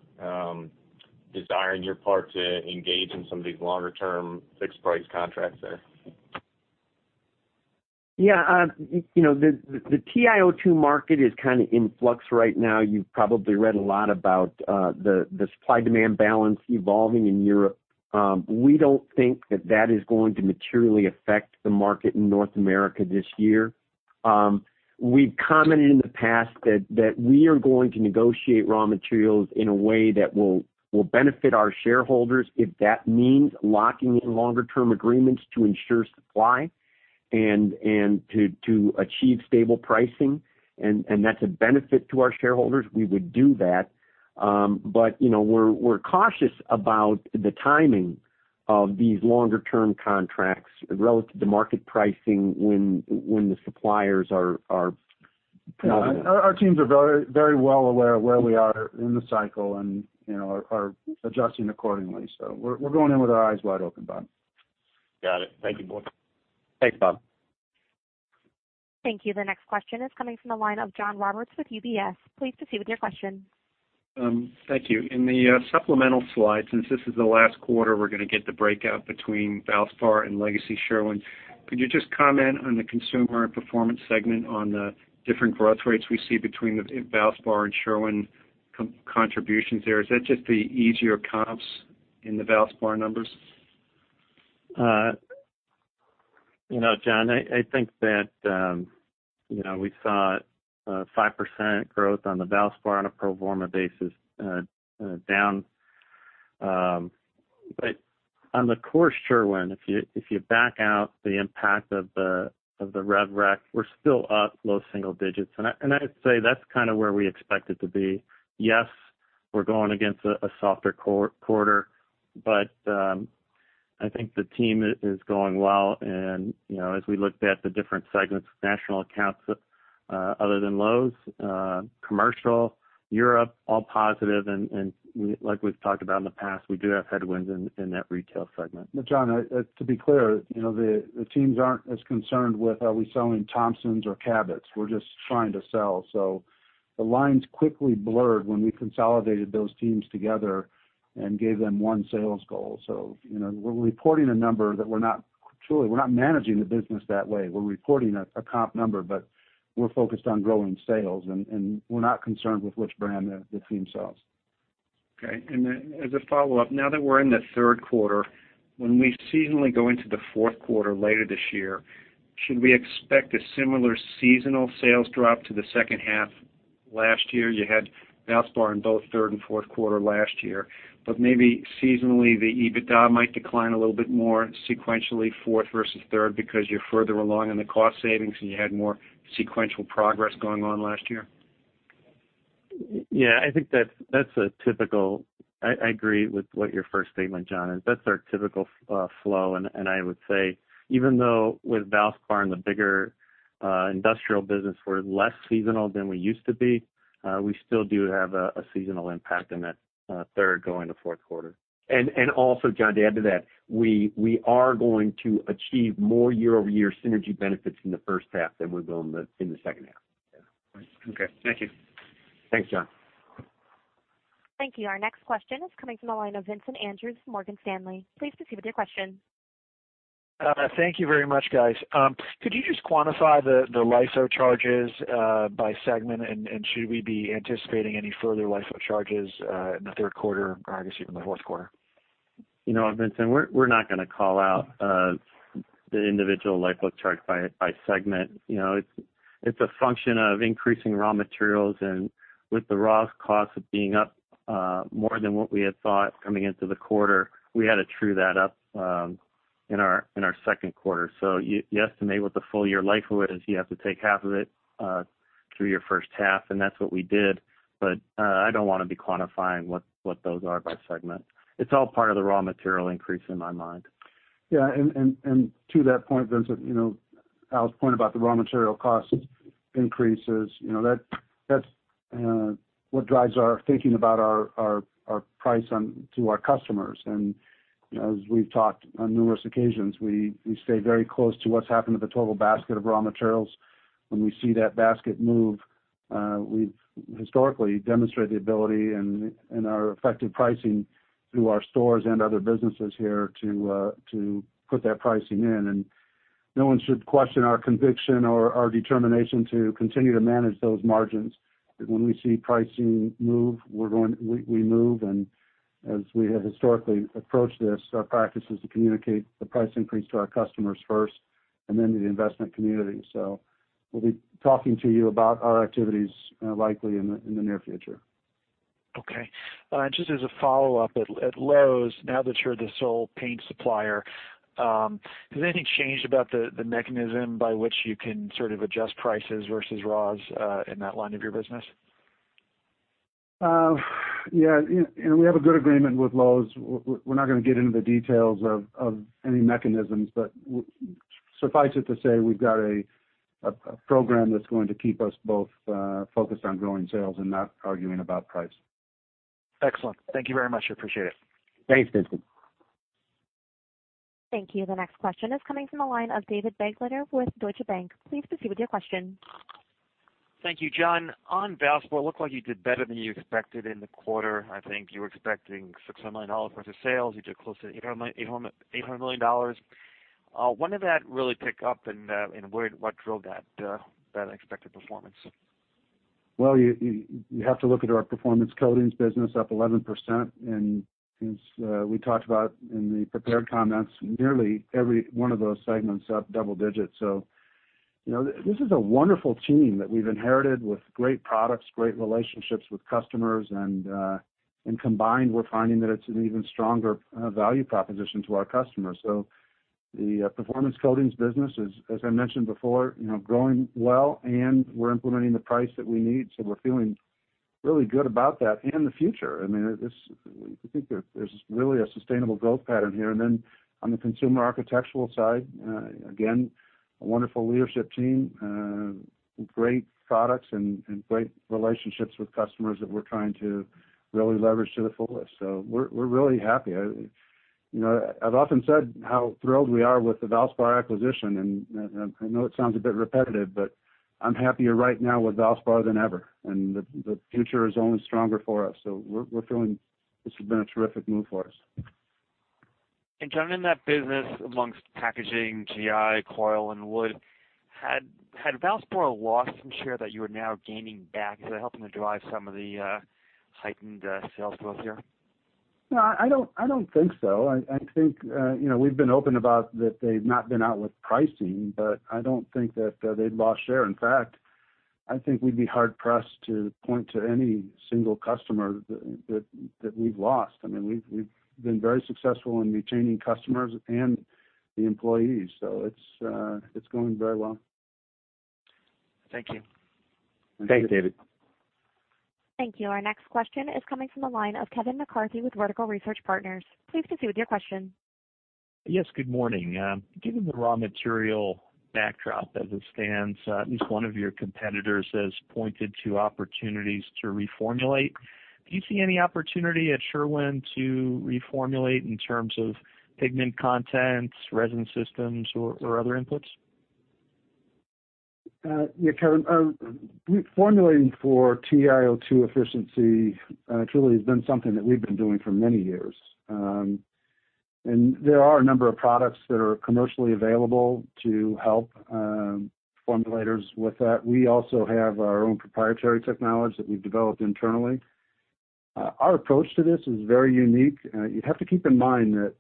desire on your part to engage in some of these longer-term fixed price contracts there? Yeah. The TiO2 market is kind of in flux right now. You've probably read a lot about the supply-demand balance evolving in Europe. We don't think that that is going to materially affect the market in North America this year. We've commented in the past that we are going to negotiate raw materials in a way that will benefit our shareholders. If that means locking in longer term agreements to ensure supply, to achieve stable pricing, that's a benefit to our shareholders, we would do that. We're cautious about the timing of these longer-term contracts relative to market pricing when the suppliers are Our teams are very well aware of where we are in the cycle and are adjusting accordingly. We're going in with our eyes wide open, Bob. Got it. Thank you both. Thanks, Bob. Thank you. The next question is coming from the line of John Roberts with UBS. Please proceed with your question. Thank you. In the supplemental slide, since this is the last quarter we're going to get the breakout between Valspar and legacy Sherwin, could you just comment on the consumer and performance segment on the different growth rates we see between the Valspar and Sherwin contributions there? Is that just the easier comps in the Valspar numbers? John, I think that we saw 5% growth on the Valspar on a pro forma basis down. On the core Sherwin, if you back out the impact of the RevRec, we're still up low single digits. I'd say that's kind of where we expect it to be. Yes, we're going against a softer quarter, but I think the team is going well. As we looked at the different segments, national accounts other than Lowe's, commercial, Europe, all positive. Like we've talked about in the past, we do have headwinds in that retail segment. John, to be clear, the teams aren't as concerned with are we selling Thompson's or Cabot. We're just trying to sell. The lines quickly blurred when we consolidated those teams together and gave them one sales goal. We're reporting a number that we're not managing the business that way. We're reporting a comp number, but we're focused on growing sales. We're not concerned with which brand the team sells. Okay. As a follow-up, now that we're in the third quarter, when we seasonally go into the fourth quarter later this year, should we expect a similar seasonal sales drop to the second half last year? You had Valspar in both third and fourth quarter last year, but maybe seasonally, the EBITDA might decline a little bit more sequentially fourth versus third because you're further along in the cost savings. You had more sequential progress going on last year. I agree with what your first statement, John, is. That's our typical flow. I would say even though with Valspar and the bigger industrial business, we're less seasonal than we used to be, we still do have a seasonal impact in that third going to fourth quarter. Also, John, to add to that, we are going to achieve more year-over-year synergy benefits in the first half than we will in the second half. Thank you. Thanks, John. Thank you. Our next question is coming from the line of Vincent Andrews from Morgan Stanley. Please proceed with your question. Thank you very much, guys. Could you just quantify the LIFO charges by segment? Should we be anticipating any further LIFO charges in the third quarter or even the fourth quarter? Vincent, we're not going to call out the individual LIFO charge by segment. It's a function of increasing raw materials. With the raw costs being up more than what we had thought coming into the quarter, we had to true that up in our second quarter. You estimate what the full year LIFO is, you have to take half of it through your first half, that's what we did, I don't want to be quantifying what those are by segment. It's all part of the raw material increase in my mind. Yeah, to that point, Vincent, Al's point about the raw material cost increases, that's what drives our thinking about our price to our customers. As we've talked on numerous occasions, we stay very close to what's happened to the total basket of raw materials. When we see that basket move, we've historically demonstrated the ability and our effective pricing through our stores and other businesses here to put that pricing in. No one should question our conviction or our determination to continue to manage those margins. When we see pricing move, we move. As we have historically approached this, our practice is to communicate the price increase to our customers first and then to the investment community. We'll be talking to you about our activities likely in the near future. Okay. Just as a follow-up. At Lowe's, now that you're the sole paint supplier, has anything changed about the mechanism by which you can sort of adjust prices versus raws in that line of your business? Yeah. We have a good agreement with Lowe's. We're not going to get into the details of any mechanisms, but suffice it to say, we've got a program that's going to keep us both focused on growing sales and not arguing about price. Excellent. Thank you very much. I appreciate it. Thanks, Vincent. Thank you. The next question is coming from the line of David Begleiter with Deutsche Bank. Please proceed with your question. Thank you, John. On Valspar, looked like you did better than you expected in the quarter. I think you were expecting $600 million worth of sales. You did close to $800 million. When did that really pick up, and what drove that expected performance? Well, you have to look at our performance coatings business up 11%. As we talked about in the prepared comments, nearly every one of those segments up double digits. This is a wonderful team that we've inherited with great products, great relationships with customers, and combined, we're finding that it's an even stronger value proposition to our customers. The performance coatings business, as I mentioned before, growing well, and we're implementing the price that we need. We're feeling really good about that and the future. I think there's really a sustainable growth pattern here. Then on the consumer architectural side, again, a wonderful leadership team, great products, and great relationships with customers that we're trying to really leverage to the fullest. We're really happy. I've often said how thrilled we are with the Valspar acquisition, and I know it sounds a bit repetitive, but I'm happier right now with Valspar than ever, and the future is only stronger for us. We're feeling this has been a terrific move for us. John, in that business amongst packaging, GI, coil, and wood, had Valspar lost some share that you are now gaining back? Is that helping to drive some of the heightened sales growth here? No, I don't think so. We've been open about that they've not been out with pricing, but I don't think that they'd lost share. In fact, I think we'd be hard-pressed to point to any single customer that we've lost. We've been very successful in retaining customers and the employees. It's going very well. Thank you. Thanks, David. Thank you. Our next question is coming from the line of Kevin McCarthy with Vertical Research Partners. Please proceed with your question. Yes, good morning. Given the raw material backdrop as it stands, at least one of your competitors has pointed to opportunities to reformulate. Do you see any opportunity at Sherwin to reformulate in terms of pigment content, resin systems, or other inputs? Yeah, Kevin. Reformulating for TiO2 efficiency truly has been something that we've been doing for many years. There are a number of products that are commercially available to help formulators with that. We also have our own proprietary technology that we've developed internally. Our approach to this is very unique. You have to keep in mind that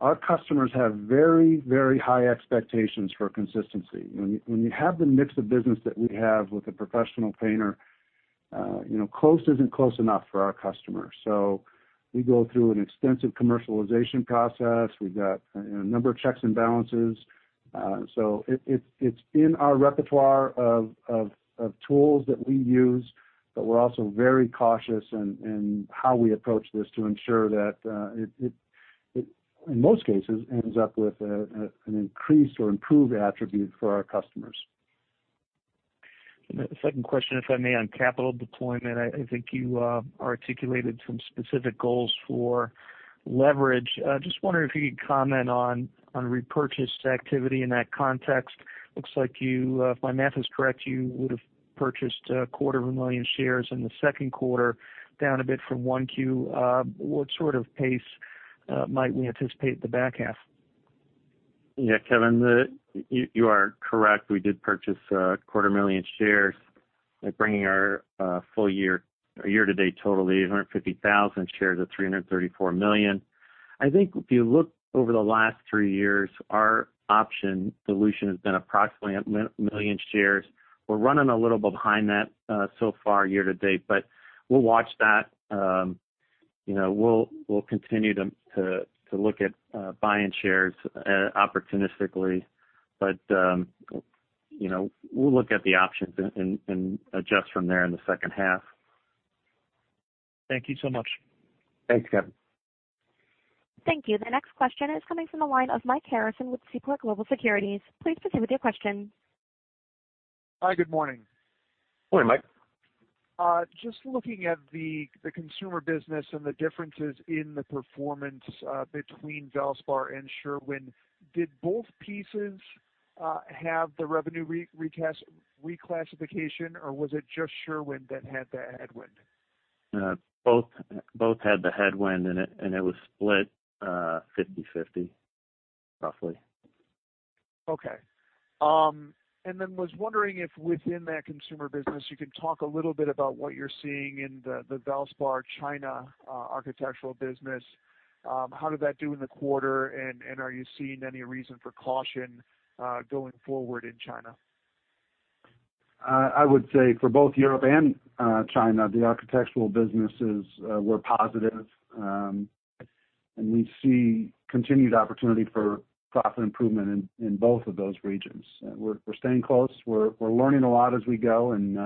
our customers have very high expectations for consistency. When you have the mix of business that we have with a professional painter, close isn't close enough for our customers. We go through an extensive commercialization process. We've got a number of checks and balances. It's in our repertoire of tools that we use, but we're also very cautious in how we approach this to ensure that it, in most cases, ends up with an increased or improved attribute for our customers. A second question, if I may, on capital deployment. I think you articulated some specific goals for leverage. Just wondering if you could comment on repurchase activity in that context. Looks like you, if my math is correct, you would have purchased a quarter of a million shares in the second quarter, down a bit from 1Q. What sort of pace might we anticipate the back half? Yeah, Kevin, you are correct. We did purchase a quarter million shares, bringing our full year to date total to 550,000 shares of (inaudible) million. I think if you look over the last three years, our option dilution has been approximately a million shares. We're running a little behind that so far year to date, we'll watch that. We'll continue to look at buying shares opportunistically. We'll look at the options and adjust from there in the second half. Thank you so much. Thanks, Kevin. Thank you. The next question is coming from the line of Mike Harrison with Seaport Global Securities. Please proceed with your question. Hi. Good morning. Morning, Mike. Just looking at the consumer business and the differences in the performance between Valspar and Sherwin, did both pieces have the revenue reclassification, or was it just Sherwin that had the headwind? Both had the headwind, and it was split 50/50, roughly. Okay. Was wondering if within that consumer business, you can talk a little bit about what you're seeing in the Valspar China architectural business. How did that do in the quarter, and are you seeing any reason for caution going forward in China? I would say for both Europe and China, the architectural businesses were positive. We see continued opportunity for profit improvement in both of those regions. We're staying close. We're learning a lot as we go, and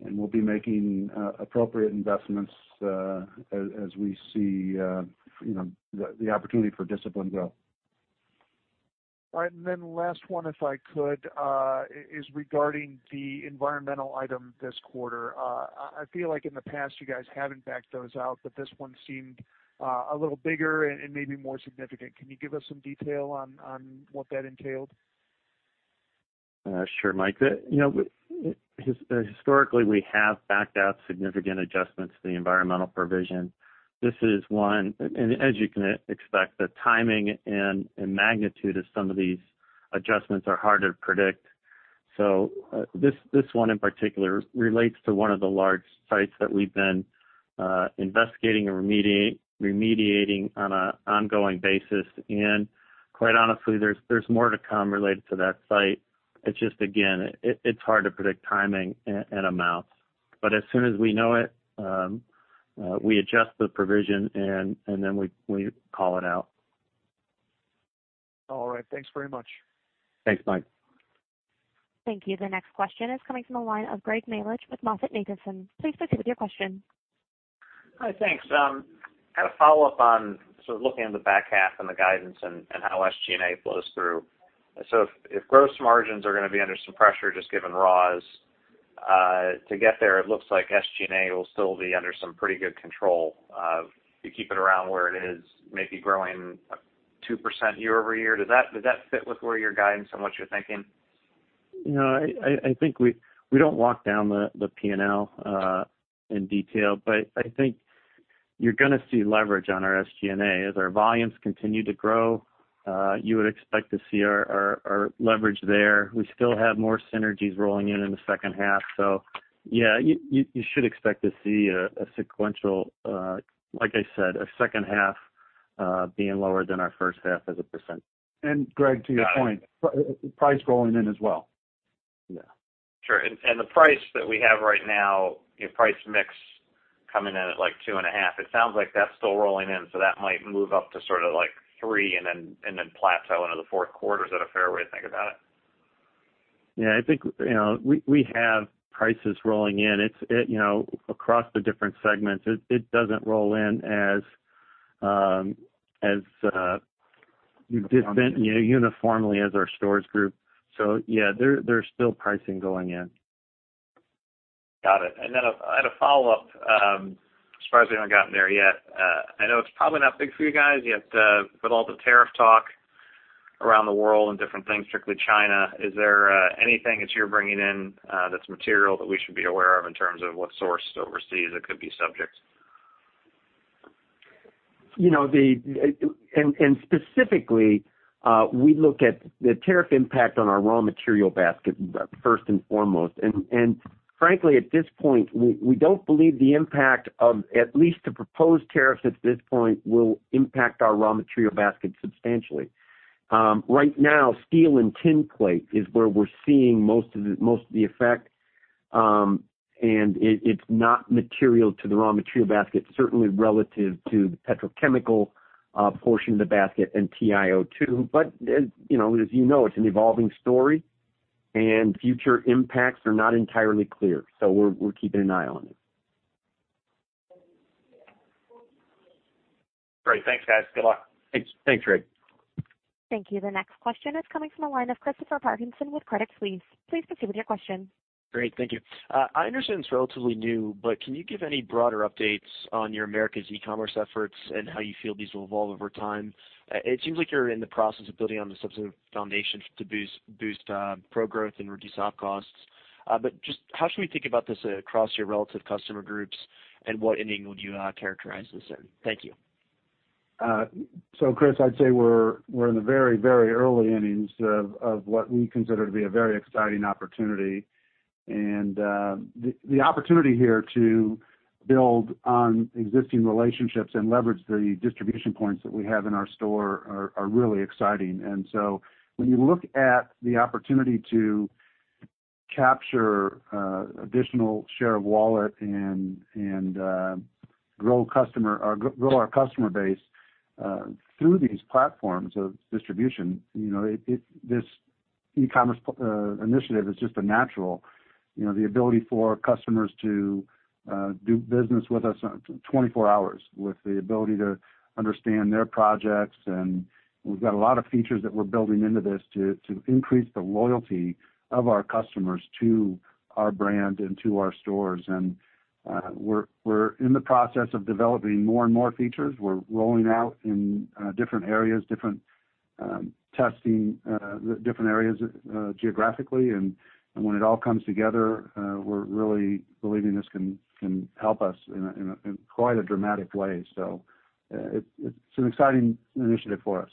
we'll be making appropriate investments as we see the opportunity for discipline grow. All right. Last one, if I could, is regarding the environmental item this quarter. I feel like in the past, you guys haven't backed those out, this one seemed a little bigger and maybe more significant. Can you give us some detail on what that entailed? Sure, Mike. Historically, we have backed out significant adjustments to the environmental provision. This is one, as you can expect, the timing and magnitude of some of these adjustments are hard to predict. This one in particular relates to one of the large sites that we've been investigating and remediating on an ongoing basis. Quite honestly, there's more to come related to that site. It's just, again, it's hard to predict timing and amounts. As soon as we know it, we adjust the provision and then we call it out. All right. Thanks very much. Thanks, Mike. Thank you. The next question is coming from the line of Ghansham Panjabi with MoffettNathanson. Please proceed with your question. Hi, thanks. I had a follow-up on sort of looking at the back half and the guidance and how SG&A flows through. If gross margins are going to be under some pressure just given raws to get there, it looks like SG&A will still be under some pretty good control. You keep it around where it is, maybe growing 2% year-over-year. Does that fit with where you're guiding and what you're thinking? I think we don't walk down the P&L in detail, but I think you're going to see leverage on our SG&A. As our volumes continue to grow, you would expect to see our leverage there. We still have more synergies rolling in in the second half. Yeah, you should expect to see a sequential, like I said, a second half being lower than our first half as a percent. Rick, to your point, price rolling in as well. Yeah. Sure. The price that we have right now, price mix coming in at like 2.5%. It sounds like that's still rolling in, so that might move up to sort of like 3% and then plateau into the fourth quarter. Is that a fair way to think about it? Yeah, I think, we have prices rolling in. Across the different segments, it doesn't roll in as uniformly as our stores group. Yeah, there's still pricing going in. Got it. Then I had a follow-up. I'm surprised we haven't gotten there yet. I know it's probably not big for you guys, yet with all the tariff talk around the world and different things, strictly China, is there anything that you're bringing in that's material that we should be aware of in terms of what's sourced overseas that could be subject? Specifically, we look at the tariff impact on our raw material basket first and foremost. Frankly, at this point, we don't believe the impact of at least the proposed tariffs at this point will impact our raw material basket substantially. Right now, steel and tin plate is where we're seeing most of the effect. It's not material to the raw material basket, certainly relative to the petrochemical portion of the basket and TiO2. As you know, it's an evolving story, and future impacts are not entirely clear. We're keeping an eye on it. Great. Thanks, guys. Good luck. Thanks, Ghansham. Thank you. The next question is coming from the line of Christopher Parkinson with Credit Suisse. Please proceed with your question. Great. Thank you. I understand it's relatively new, but can you give any broader updates on your Americas e-commerce efforts and how you feel these will evolve over time? It seems like you're in the process of building on the substantive foundation to boost pro-growth and reduce op costs. Just how should we think about this across your relative customer groups, and what inning would you characterize this in? Thank you. Chris, I'd say we're in the very early innings of what we consider to be a very exciting opportunity. The opportunity here to build on existing relationships and leverage the distribution points that we have in our store are really exciting. When you look at the opportunity to capture additional share of wallet and grow our customer base through these platforms of distribution, this e-commerce initiative is just a natural. The ability for customers to do business with us 24 hours with the ability to understand their projects, and we've got a lot of features that we're building into this to increase the loyalty of our customers to our brand and to our stores. We're in the process of developing more and more features. We're rolling out in different areas, different testing, different areas geographically. When it all comes together, we're really believing this can help us in quite a dramatic way. It's an exciting initiative for us.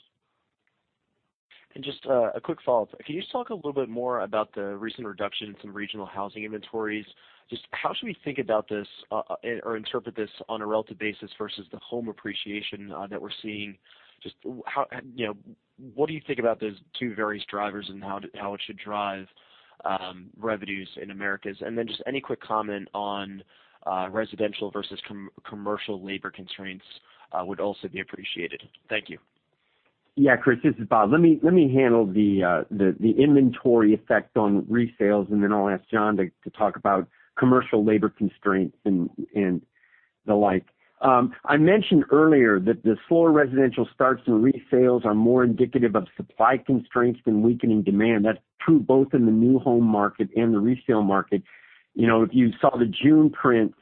Just a quick follow-up. Can you just talk a little bit more about the recent reduction in some regional housing inventories? Just how should we think about this or interpret this on a relative basis versus the home appreciation that we're seeing? Just what do you think about those two various drivers and how it should drive revenues in Americas? Just any quick comment on residential versus commercial labor constraints would also be appreciated. Thank you. Yeah, Chris, this is Bob. Let me handle the inventory effect on resales, and then I'll ask John to talk about commercial labor constraints and the like. I mentioned earlier that the slower residential starts and resales are more indicative of supply constraints than weakening demand. That's true both in the new home market and the resale market. If you saw the June print,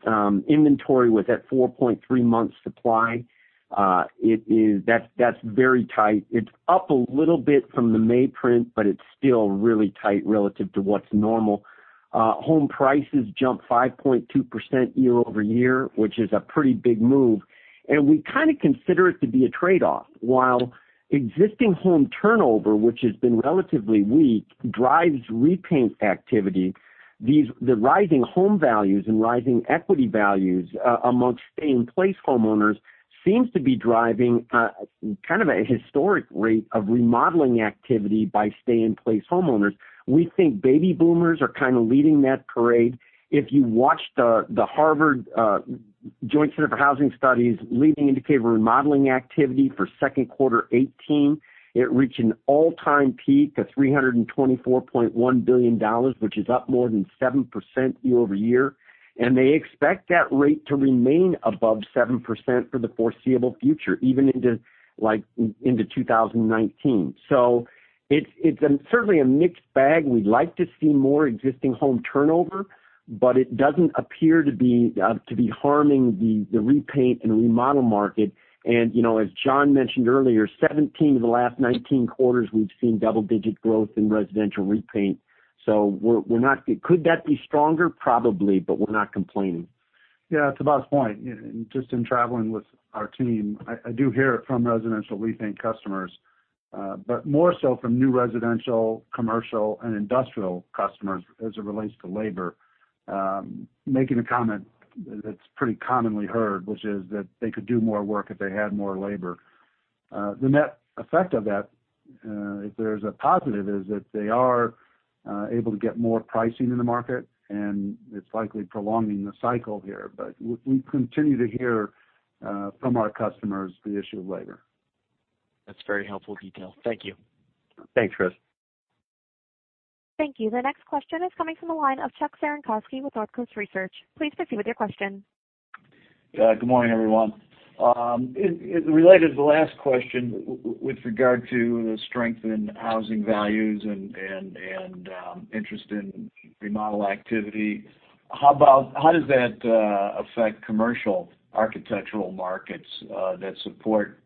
inventory was at 4.3 months supply. That's very tight. It's up a little bit from the May print, but it's still really tight relative to what's normal. Home prices jumped 5.2% year-over-year, which is a pretty big move, and we kind of consider it to be a trade-off. While existing home turnover, which has been relatively weak, drives repaint activity, the rising home values and rising equity values amongst stay-in-place homeowners seems to be driving kind of a historic rate of remodeling activity by stay-in-place homeowners. We think baby boomers are kind of leading that parade. If you watch the Harvard Joint Center for Housing Studies leading indicator of remodeling activity for second quarter 2018, it reached an all-time peak of $324.1 billion, which is up more than 7% year-over-year. They expect that rate to remain above 7% for the foreseeable future, even into 2019. It's certainly a mixed bag. We'd like to see more existing home turnover, but it doesn't appear to be harming the repaint and remodel market. As John mentioned earlier, 17 of the last 19 quarters, we've seen double-digit growth in residential repaint. Could that be stronger? Probably, but we're not complaining. Yeah. To Bob's point, just in traveling with our team, I do hear it from residential repaint customers. More so from new residential, commercial, and industrial customers as it relates to labor. Making a comment that's pretty commonly heard, which is that they could do more work if they had more labor. The net effect of that, if there's a positive, is that they are able to get more pricing in the market, and it's likely prolonging the cycle here. We continue to hear from our customers the issue of labor. That's very helpful detail. Thank you. Thanks, Chris. Thank you. The next question is coming from the line of Chuck Cerankosky with Northcoast Research. Please proceed with your question. Good morning, everyone. Related to the last question with regard to the strength in housing values and interest in remodel activity, how does that affect commercial architectural markets that support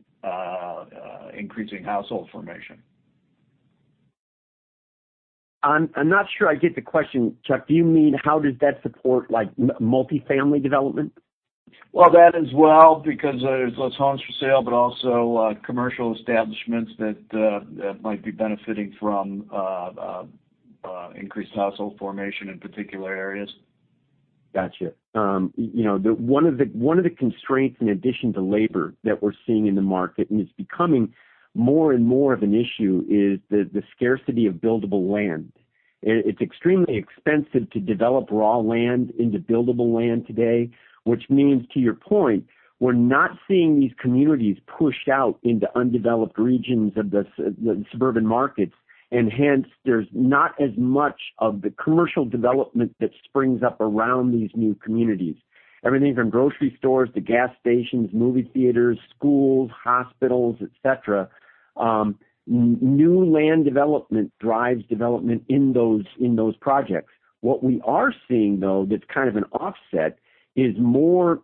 increasing household formation? I'm not sure I get the question, Chuck. Do you mean how does that support multifamily development? Well, that as well, because there's less homes for sale, but also commercial establishments that might be benefiting from increased household formation in particular areas. Got you. One of the constraints in addition to labor that we're seeing in the market, and it's becoming more and more of an issue, is the scarcity of buildable land. It's extremely expensive to develop raw land into buildable land today, which means, to your point, we're not seeing these communities push out into undeveloped regions of the suburban markets, and hence, there's not as much of the commercial development that springs up around these new communities. Everything from grocery stores to gas stations, movie theaters, schools, hospitals, et cetera. New land development drives development in those projects. What we are seeing, though, that's kind of an offset, is more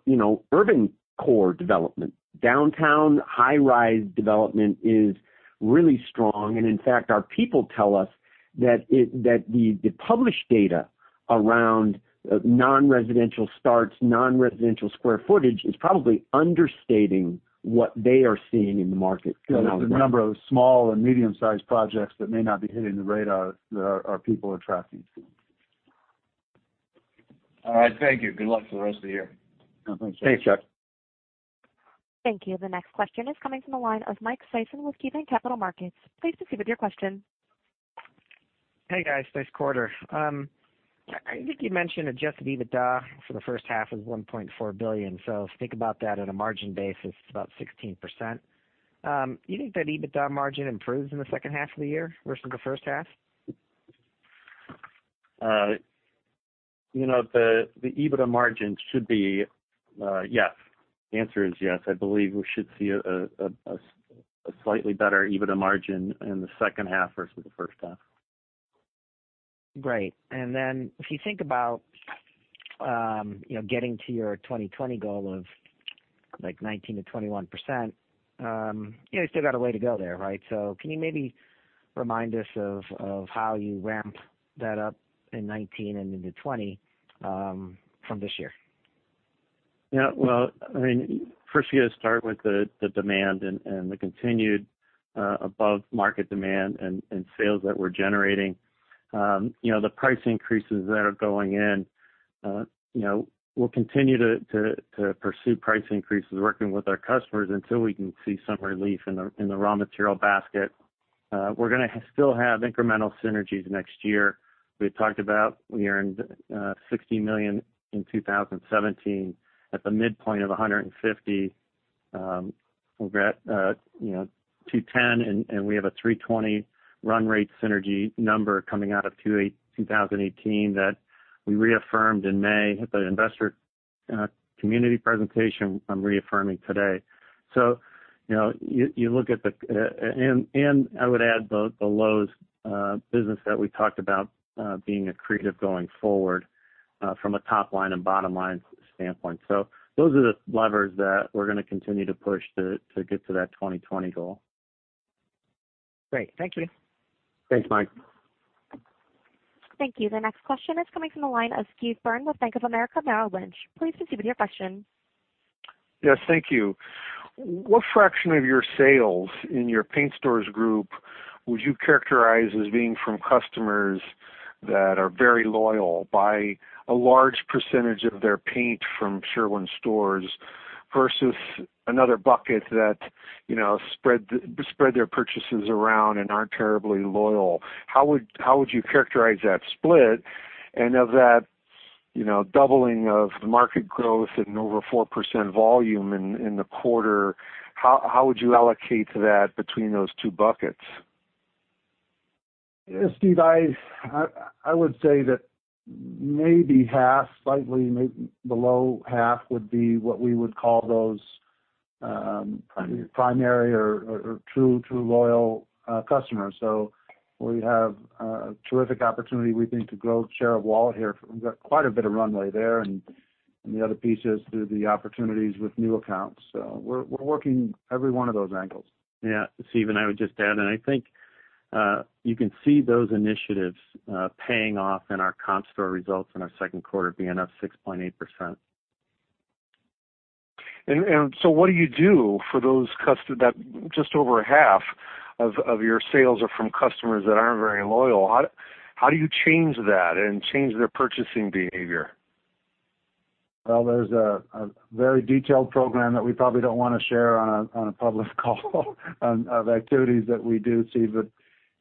urban core development. Downtown high-rise development is really strong, and in fact, our people tell us that the published data around non-residential starts, non-residential square footage is probably understating what they are seeing in the market now. There's a number of small and medium-sized projects that may not be hitting the radar that our people are tracking. All right. Thank you. Good luck for the rest of the year. Thanks, Chuck. Thank you. The next question is coming from the line of Michael Sison with KeyBanc Capital Markets. Please proceed with your question. Hey, guys. Nice quarter. I think you mentioned adjusted EBITDA for the first half was $1.4 billion. If you think about that on a margin basis, it's about 16%. You think that EBITDA margin improves in the second half of the year versus the first half? The EBITDA margin should be, yes. The answer is yes. I believe we should see a slightly better EBITDA margin in the second half versus the first half. Great. If you think about getting to your 2020 goal of 19%-21%, you still got a way to go there, right? Can you maybe remind us of how you ramp that up in 2019 and into 2020 from this year? Yeah. Well, first you got to start with the demand and the continued above-market demand and sales that we're generating. The price increases that are going in, we'll continue to pursue price increases working with our customers until we can see some relief in the raw material basket. We're going to still have incremental synergies next year. We had talked about we earned $60 million in 2017 at the midpoint of $150 million, we'll get $210 million, and we have a $320 million run rate synergy number coming out of 2018 that we reaffirmed in May at the investor community presentation. I'm reaffirming today. I would add the Lowe's business that we talked about being accretive going forward from a top-line and bottom-line standpoint. Those are the levers that we're going to continue to push to get to that 2020 goal. Great. Thank you. Thanks, Mike. Thank you. The next question is coming from the line of Steve Byrne with Bank of America Merrill Lynch. Please proceed with your question. Yes. Thank you. What fraction of your sales in your paint stores group would you characterize as being from customers that are very loyal, buy a large percentage of their paint from Sherwin stores versus another bucket that spread their purchases around and aren't terribly loyal? How would you characterize that split? Of that doubling of the market growth at an over 4% volume in the quarter, how would you allocate that between those two buckets? Steve, I would say that maybe half, slightly below half would be what we would call those primary or true loyal customers. We have a terrific opportunity, we think, to grow share of wallet here. We've got quite a bit of runway there, and the other piece is through the opportunities with new accounts. We're working every one of those angles. Yeah. Steve, I would just add, I think you can see those initiatives paying off in our comp store results in our second quarter being up 6.8%. What do you do for those customers that just over half of your sales are from customers that aren't very loyal? How do you change that and change their purchasing behavior? Well, there's a very detailed program that we probably don't want to share on a public call of activities that we do see.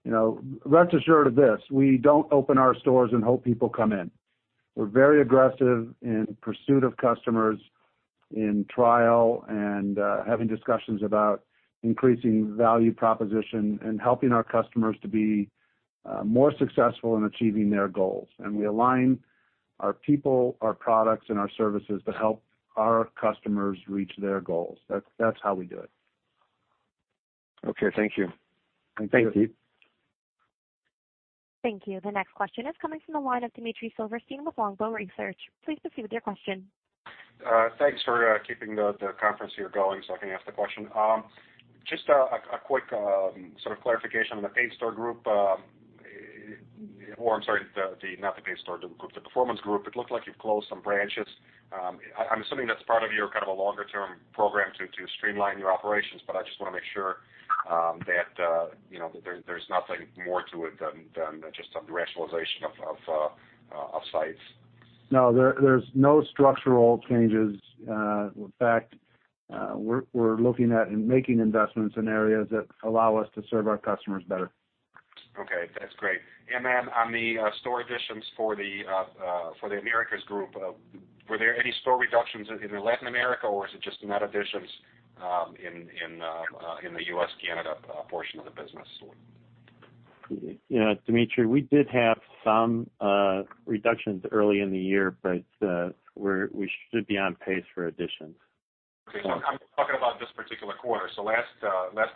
Rest assured of this, we don't open our stores and hope people come in. We're very aggressive in pursuit of customers, in trial, and having discussions about increasing value proposition and helping our customers to be more successful in achieving their goals. We align our people, our products, and our services to help our customers reach their goals. That's how we do it. Okay, thank you. Thank you, Steve. Thank you. The next question is coming from the line of Dmitry Silversteyn with Longbow Research. Please proceed with your question. Thanks for keeping the conference here going so I can ask the question. Just a quick sort of clarification on the Performance Coatings Group. Or I'm sorry, not the Performance Coatings Group, the Performance Coatings Group. It looked like you've closed some branches. I'm assuming that's part of your kind of a longer-term program to streamline your operations, I just want to make sure that there's nothing more to it than just a rationalization of sites. No, there's no structural changes. We're looking at making investments in areas that allow us to serve our customers better. Okay, that's great. On the store additions for The Americas Group, were there any store reductions in Latin America, or is it just net additions in the U.S., Canada portion of the business? Dmitry, we did have some reductions early in the year, we should be on pace for additions. Okay. I'm talking about this particular quarter. Last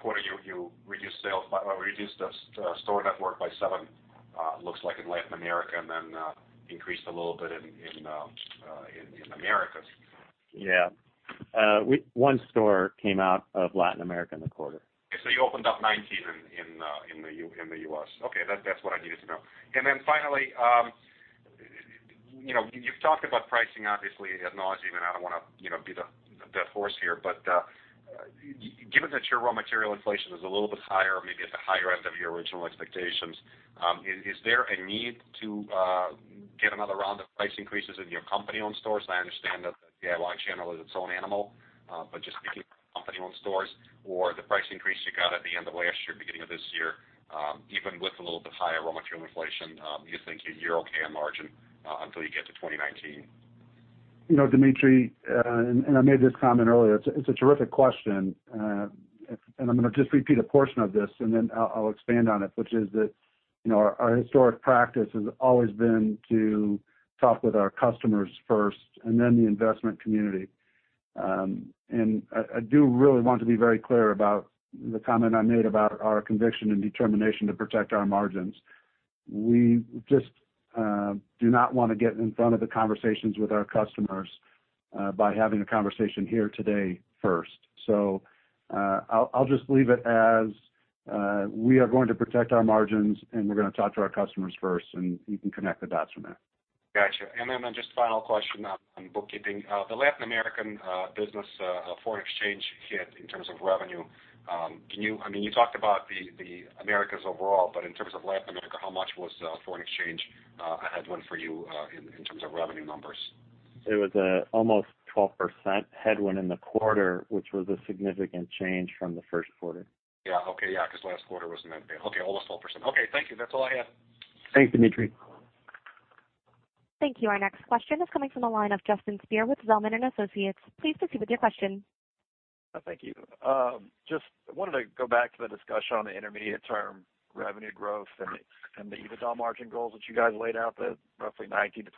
quarter, you reduced the store network by seven, looks like in Latin America, increased a little bit in Americas. Yeah. One store came out of Latin America in the quarter. You opened up 19 in the U.S. Okay. That's what I needed to know. Finally, you've talked about pricing, obviously ad nauseam, and I don't want to be the dead horse here, but given that your raw material inflation is a little bit higher, maybe at the higher end of your original expectations, is there a need to get another round of price increases in your company-owned stores? I understand that the DIY channel is its own animal. Just thinking company-owned stores or the price increase you got at the end of last year, beginning of this year, even with a little bit higher raw material inflation, do you think you're okay on margin, until you get to 2019? Dmitry, I made this comment earlier, it's a terrific question. I'm going to just repeat a portion of this, then I'll expand on it, which is that our historic practice has always been to talk with our customers first and then the investment community. I do really want to be very clear about the comment I made about our conviction and determination to protect our margins. We just do not want to get in front of the conversations with our customers by having a conversation here today first. I'll just leave it as, we are going to protect our margins, and we're going to talk to our customers first, and you can connect the dots from there. Got you. Just final question on bookkeeping. The Latin American business foreign exchange hit in terms of revenue. You talked about The Americas overall, but in terms of Latin America, how much was foreign exchange a headwind for you, in terms of revenue numbers? It was almost 12% headwind in the quarter, which was a significant change from the first quarter. Yeah. Okay. Because last quarter wasn't that bad. Okay. Almost 12%. Okay, thank you. That's all I had. Thanks, Dmitry. Thank you. Our next question is coming from the line of Justin Speer with Zelman & Associates. Please proceed with your question. Thank you. Just wanted to go back to the discussion on the intermediate term revenue growth and the EBITDA margin goals that you guys laid out, the roughly 19%-21%.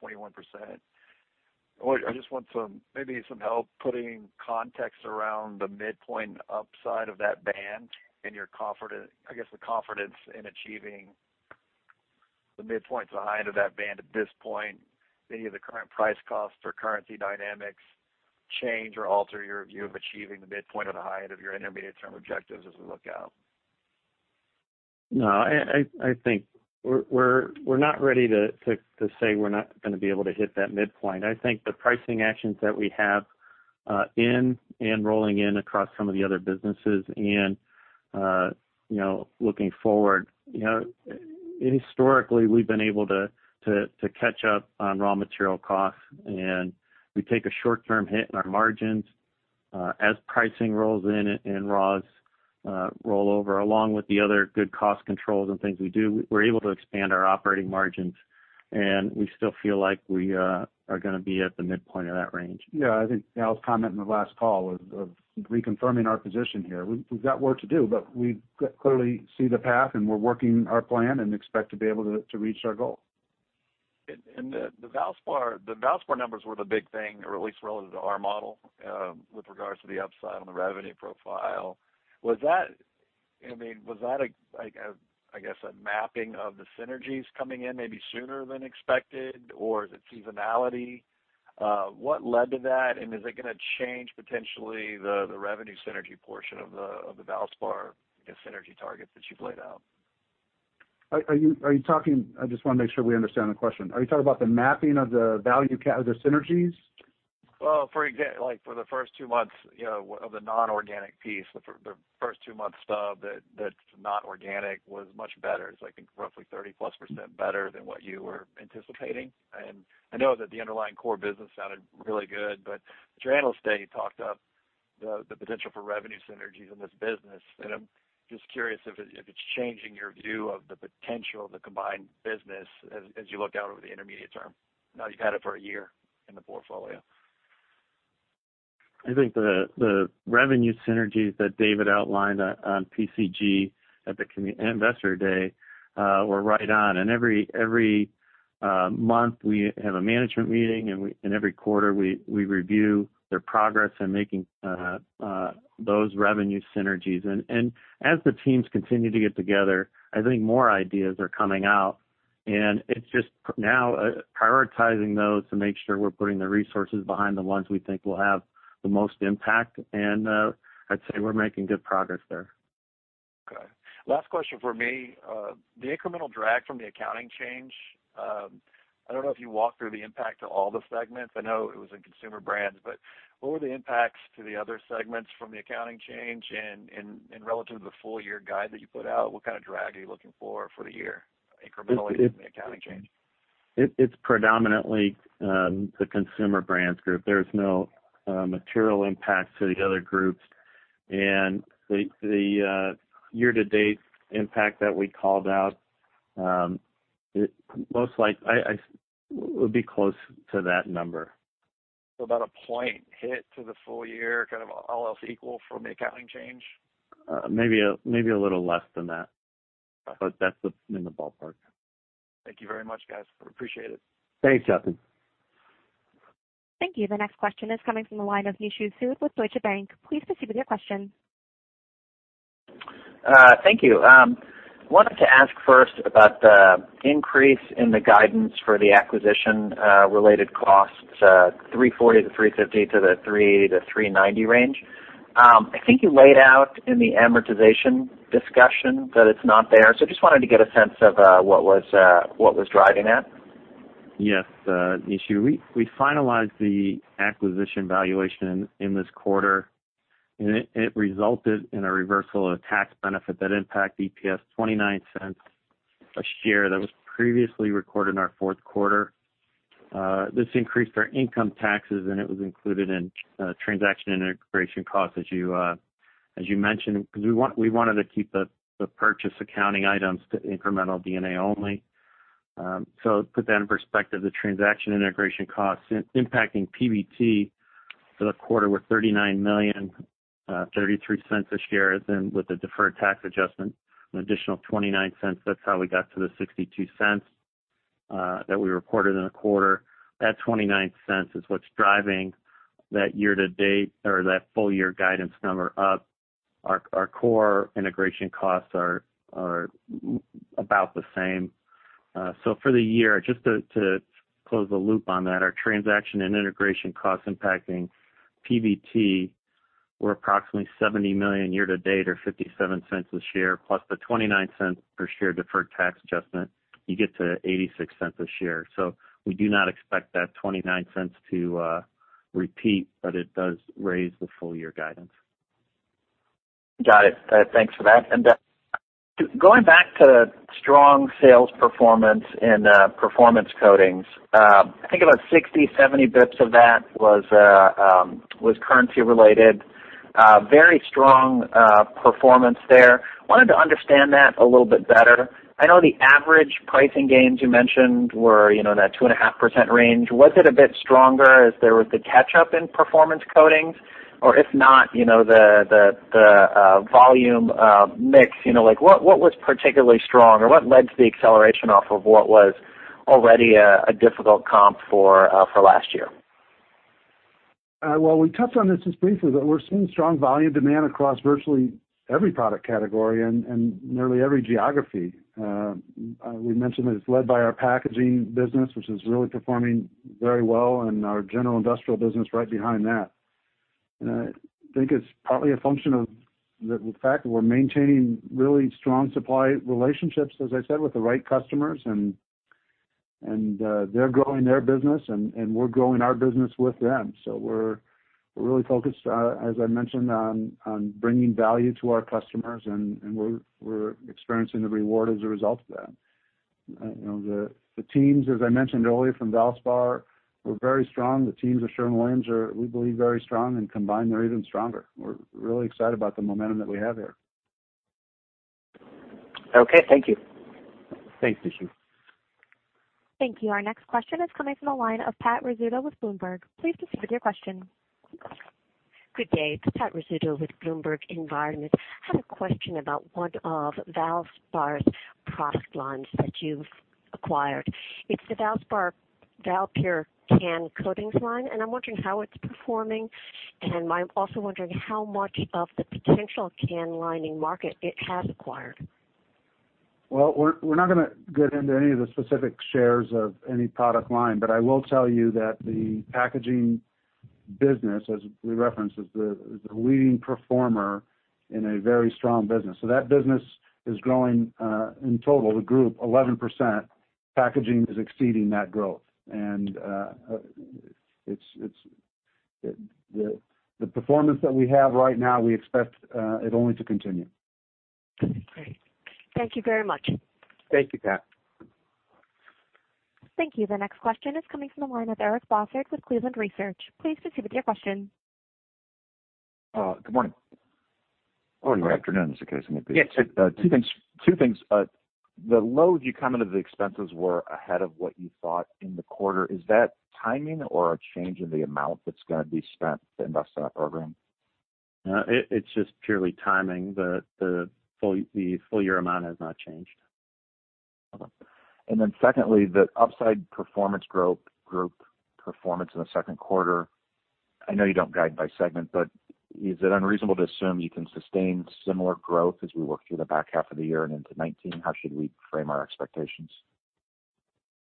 I just want maybe some help putting context around the midpoint upside of that band and I guess the confidence in achieving the midpoints behind of that band at this point. Maybe the current price cost or currency dynamics change or alter your view of achieving the midpoint or the high end of your intermediate term objectives as we look out. No, I think we're not ready to say we're not going to be able to hit that midpoint. I think the pricing actions that we have in and rolling in across some of the other businesses and looking forward. Historically, we've been able to catch up on raw material costs. We take a short-term hit in our margins as pricing rolls in and raws roll over, along with the other good cost controls and things we do. We're able to expand our operating margins. We still feel like we are going to be at the midpoint of that range. Yeah, I think Al's comment in the last call of reconfirming our position here. We've got work to do. We clearly see the path and we're working our plan and expect to be able to reach our goal. The Valspar numbers were the big thing, or at least relative to our model, with regards to the upside on the revenue profile. Was that, I guess, a mapping of the synergies coming in maybe sooner than expected, or is it seasonality? What led to that? Is it going to change potentially the revenue synergy portion of the Valspar synergy targets that you've laid out? I just want to make sure we understand the question. Are you talking about the mapping of the synergies? For example, for the first two months of the non-organic piece, the first two months stub that's not organic was much better. It's, I think, roughly 30-plus % better than what you were anticipating. I know that the underlying core business sounded really good, at your Investor Day, you talked up the potential for revenue synergies in this business. I'm just curious if it's changing your view of the potential of the combined business as you look out over the intermediate term, now you've had it for a year in the portfolio. I think the revenue synergies that David outlined on PCG at the Investor Day were right on. Every month, we have a management meeting, every quarter, we review their progress in making those revenue synergies. As the teams continue to get together, I think more ideas are coming out, it's just now prioritizing those to make sure we're putting the resources behind the ones we think will have the most impact. I'd say we're making good progress there. Okay. Last question from me. The incremental drag from the accounting change, I don't know if you walked through the impact to all the segments. I know it was in Consumer Brands, what were the impacts to the other segments from the accounting change? Relative to the full year guide that you put out, what kind of drag are you looking for for the year incrementally from the accounting change? It's predominantly the Consumer Brands Group. There's no material impact to the other groups. The year-to-date impact that we called out, it would be close to that number. About a point hit to the full year, kind of all else equal from the accounting change? Maybe a little less than that. Okay. That's in the ballpark. Thank you very much, guys. I appreciate it. Thanks, Justin. Thank you. The next question is coming from the line of Nishu Sood with Deutsche Bank. Please proceed with your question. Thank you. Wanted to ask first about the increase in the guidance for the acquisition related costs, $340 million to $350 million to the $380 million to $390 million range. I think you laid out in the amortization discussion that it's not there. Just wanted to get a sense of what was driving that. Yes, Nishu. We finalized the acquisition valuation in this quarter, and it resulted in a reversal of tax benefit that impacted EPS $0.29 a share that was previously recorded in our fourth quarter. This increased our income taxes, and it was included in transaction integration costs, as you mentioned, because we wanted to keep the purchase accounting items to incremental D&A only. To put that in perspective, the transaction integration costs impacting PBT for the quarter were $39 million, $0.33 a share. With the deferred tax adjustment, an additional $0.29. That's how we got to the $0.62 that we reported in the quarter. That $0.29 is what's driving that year-to-date or that full year guidance number up. Our core integration costs are about the same. For the year, just to close the loop on that, our transaction and integration costs impacting PBT were approximately $70 million year-to-date or $0.57 a share, plus the $0.29 per share deferred tax adjustment, you get to $0.86 a share. We do not expect that $0.29 to repeat, but it does raise the full year guidance. Got it. Thanks for that. Going back to strong sales performance in Performance Coatings. I think about 60, 70 basis points of that was currency related. Very strong performance there. Wanted to understand that a little bit better. I know the average pricing gains you mentioned were that 2.5% range. Was it a bit stronger as there was the catch up in Performance Coatings? Or if not, the volume mix, what was particularly strong or what led to the acceleration off of what was already a difficult comp for last year? We touched on this just briefly, but we're seeing strong volume demand across virtually every product category and nearly every geography. We mentioned that it's led by our Packaging Business, which is really performing very well and our General Industrial Business right behind that. I think it's partly a function of the fact that we're maintaining really strong supply relationships, as I said, with the right customers, and they're growing their business and we're growing our business with them. We're really focused, as I mentioned, on bringing value to our customers, and we're experiencing the reward as a result of that. The teams, as I mentioned earlier, from Valspar, were very strong. The teams at Sherwin-Williams are, we believe, very strong, and combined, they're even stronger. We're really excited about the momentum that we have there. Okay. Thank you. Thanks, Nishu. Thank you. Our next question is coming from the line of Pat Rizzuto with Bloomberg. Please proceed with your question. Good day. It's Pat Rizzuto with Bloomberg Environment. I had a question about one of Valspar's product lines that you've acquired. It's the Valspar valPure can coatings line, and I'm wondering how it's performing, and I'm also wondering how much of the potential can lining market it has acquired. We're not going to get into any of the specific shares of any product line, but I will tell you that the packaging business, as we referenced, is the leading performer in a very strong business. That business is growing in total, the group, 11%. Packaging is exceeding that growth. The performance that we have right now, we expect it only to continue. Great. Thank you very much. Thank you, Pat. Thank you. The next question is coming from the line of Eric Bosshard with Cleveland Research. Please proceed with your question. Good morning. Morning. Or good afternoon, as the case may be. Yes. Two things. The Lowe's, you commented the expenses were ahead of what you thought in the quarter. Is that timing or a change in the amount that's going to be spent to invest in that program? No, it's just purely timing. The full year amount has not changed. Okay. Secondly, the upside Performance Coatings Group performance in the second quarter, I know you don't guide by segment, but is it unreasonable to assume you can sustain similar growth as we work through the back half of the year and into 2019? How should we frame our expectations?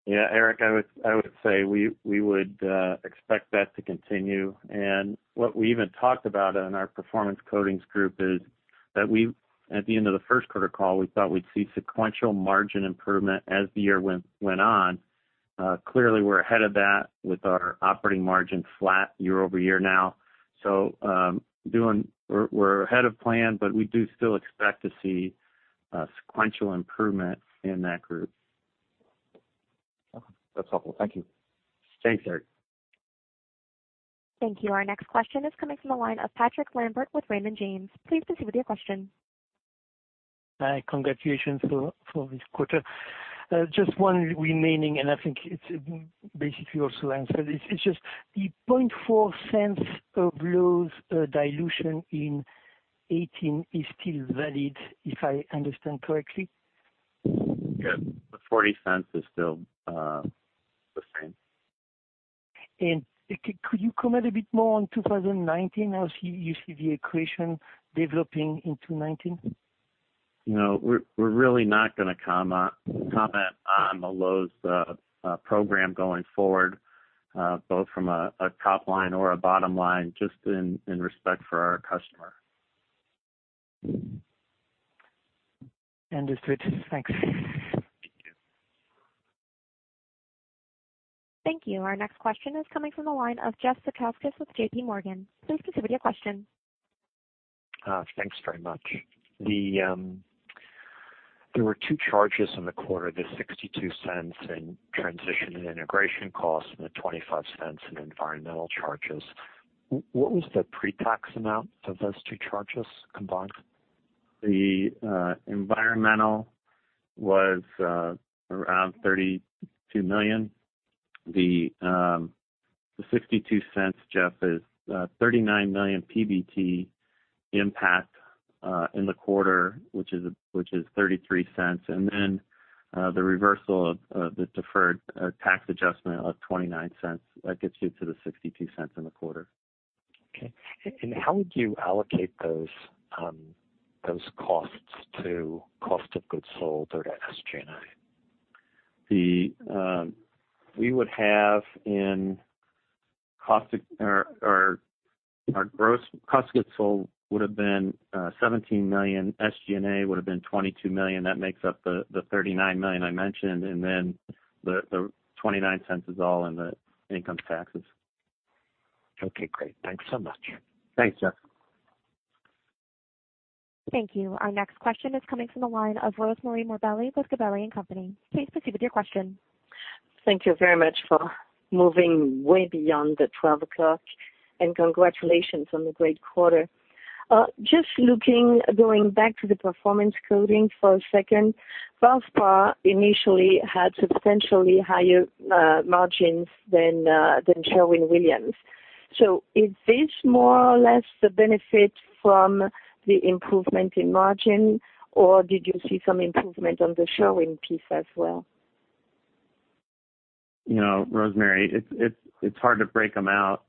Yeah, Eric, I would say we would expect that to continue. What we even talked about in our Performance Coatings Group is that we, at the end of the first quarter call, we thought we'd see sequential margin improvement as the year went on. Clearly, we're ahead of that with our operating margin flat year-over-year now. We're ahead of plan, but we do still expect to see sequential improvement in that group. Okay. That's helpful. Thank you. Thanks, Eric. Thank you. Our next question is coming from the line of Patrick Lambert with Raymond James. Please proceed with your question. Hi. Congratulations for this quarter. Just one remaining, and I think it's basically also answered. It's just the $0.40 of Lowe's dilution in 2018 is still valid, if I understand correctly? Yes. The $0.40 is still the same. Could you comment a bit more on 2019, how you see the equation developing in 2019? We're really not going to comment on the Lowe's program going forward, both from a top line or a bottom line, just in respect for our customer. Distributed. Thanks. Thank you. Thank you. Our next question is coming from the line of Jeff Zekauskas with J.P. Morgan. Please proceed with your question. Thanks very much. There were two charges in the quarter, the $0.62 in transition and integration costs and the $0.25 in environmental charges. What was the pre-tax amount of those two charges combined? The environmental was around $32 million. The $0.62, Jeff, is $39 million PBT impact in the quarter, which is $0.33. Then the reversal of the deferred tax adjustment of $0.29. That gets you to the $0.62 in the quarter. Okay. How would you allocate those costs to cost of goods sold or to SG&A? Our cost of goods sold would have been $17 million. SG&A would have been $22 million. That makes up the $39 million I mentioned, then the $0.29 is all in the income taxes. Okay, great. Thanks so much. Thanks, Jeff. Thank you. Our next question is coming from the line of Rosemarie Morbelli with Gabelli & Company. Please proceed with your question. Thank you very much for moving way beyond the 12 o'clock. Congratulations on the great quarter. Just looking, going back to the Performance Coatings for a second. Valspar initially had substantially higher margins than Sherwin-Williams. Is this more or less the benefit from the improvement in margin, or did you see some improvement on the Sherwin piece as well? Rosemarie, it's hard to break them out,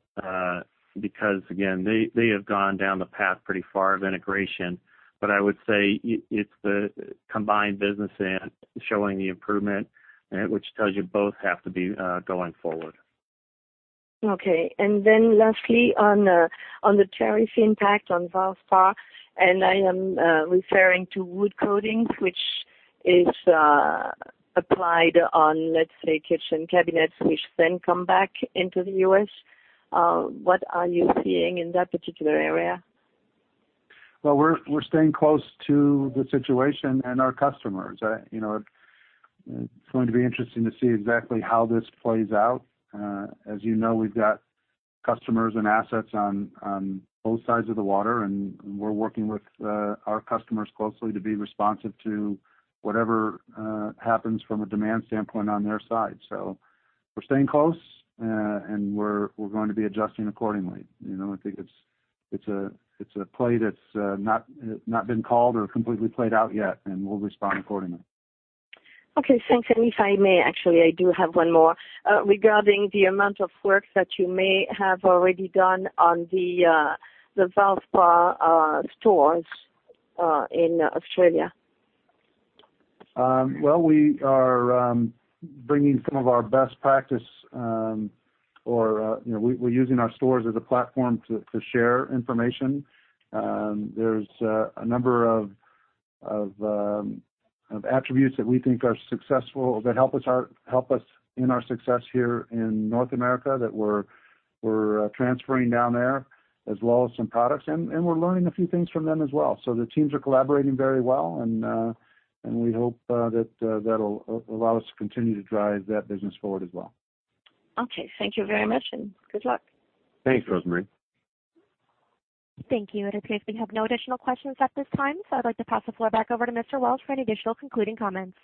because again, they have gone down the path pretty far of integration. I would say it's the combined business and showing the improvement, which tells you both have to be going forward. Okay. Lastly, on the tariff impact on Valspar. I am referring to wood coatings, which is applied on, let's say, kitchen cabinets, which then come back into the U.S. What are you seeing in that particular area? Well, we're staying close to the situation and our customers. It's going to be interesting to see exactly how this plays out. As you know, we've got customers and assets on both sides of the water. We're working with our customers closely to be responsive to whatever happens from a demand standpoint on their side. We're staying close, and we're going to be adjusting accordingly. I think it's a play that's not been called or completely played out yet. We'll respond accordingly. Okay, thanks. If I may, actually, I do have one more. Regarding the amount of work that you may have already done on the Valspar stores in Australia. Well, we are bringing some of our best practice, or we're using our stores as a platform to share information. There's a number of attributes that we think are successful, that help us in our success here in North America that we're transferring down there, as well as some products. We're learning a few things from them as well. The teams are collaborating very well, and we hope that'll allow us to continue to drive that business forward as well. Okay. Thank you very much, and good luck. Thanks, Rosemarie. Thank you. It appears we have no additional questions at this time, I'd like to pass the floor back over to Mr. Wells for any additional concluding comments.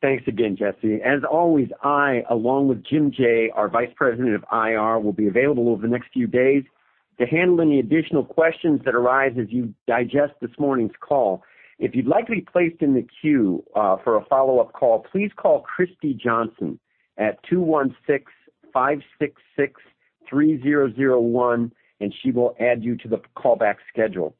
Thanks again, Jesse. As always, I, along with Jim Jaye, our Vice President of IR, will be available over the next few days to handle any additional questions that arise as you digest this morning's call. If you'd like to be placed in the queue for a follow-up call, please call Christy Johnson at 216-566-3001, and she will add you to the callback schedule.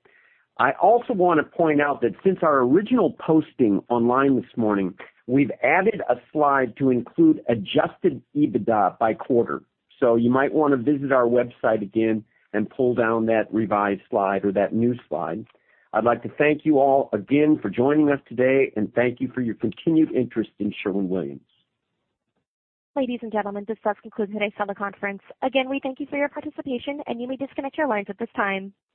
I also want to point out that since our original posting online this morning, we've added a slide to include adjusted EBITDA by quarter. You might want to visit our website again and pull down that revised slide or that new slide. I'd like to thank you all again for joining us today and thank you for your continued interest in Sherwin-Williams. Ladies and gentlemen, this does conclude today's teleconference. Again, we thank you for your participation, and you may disconnect your lines at this time.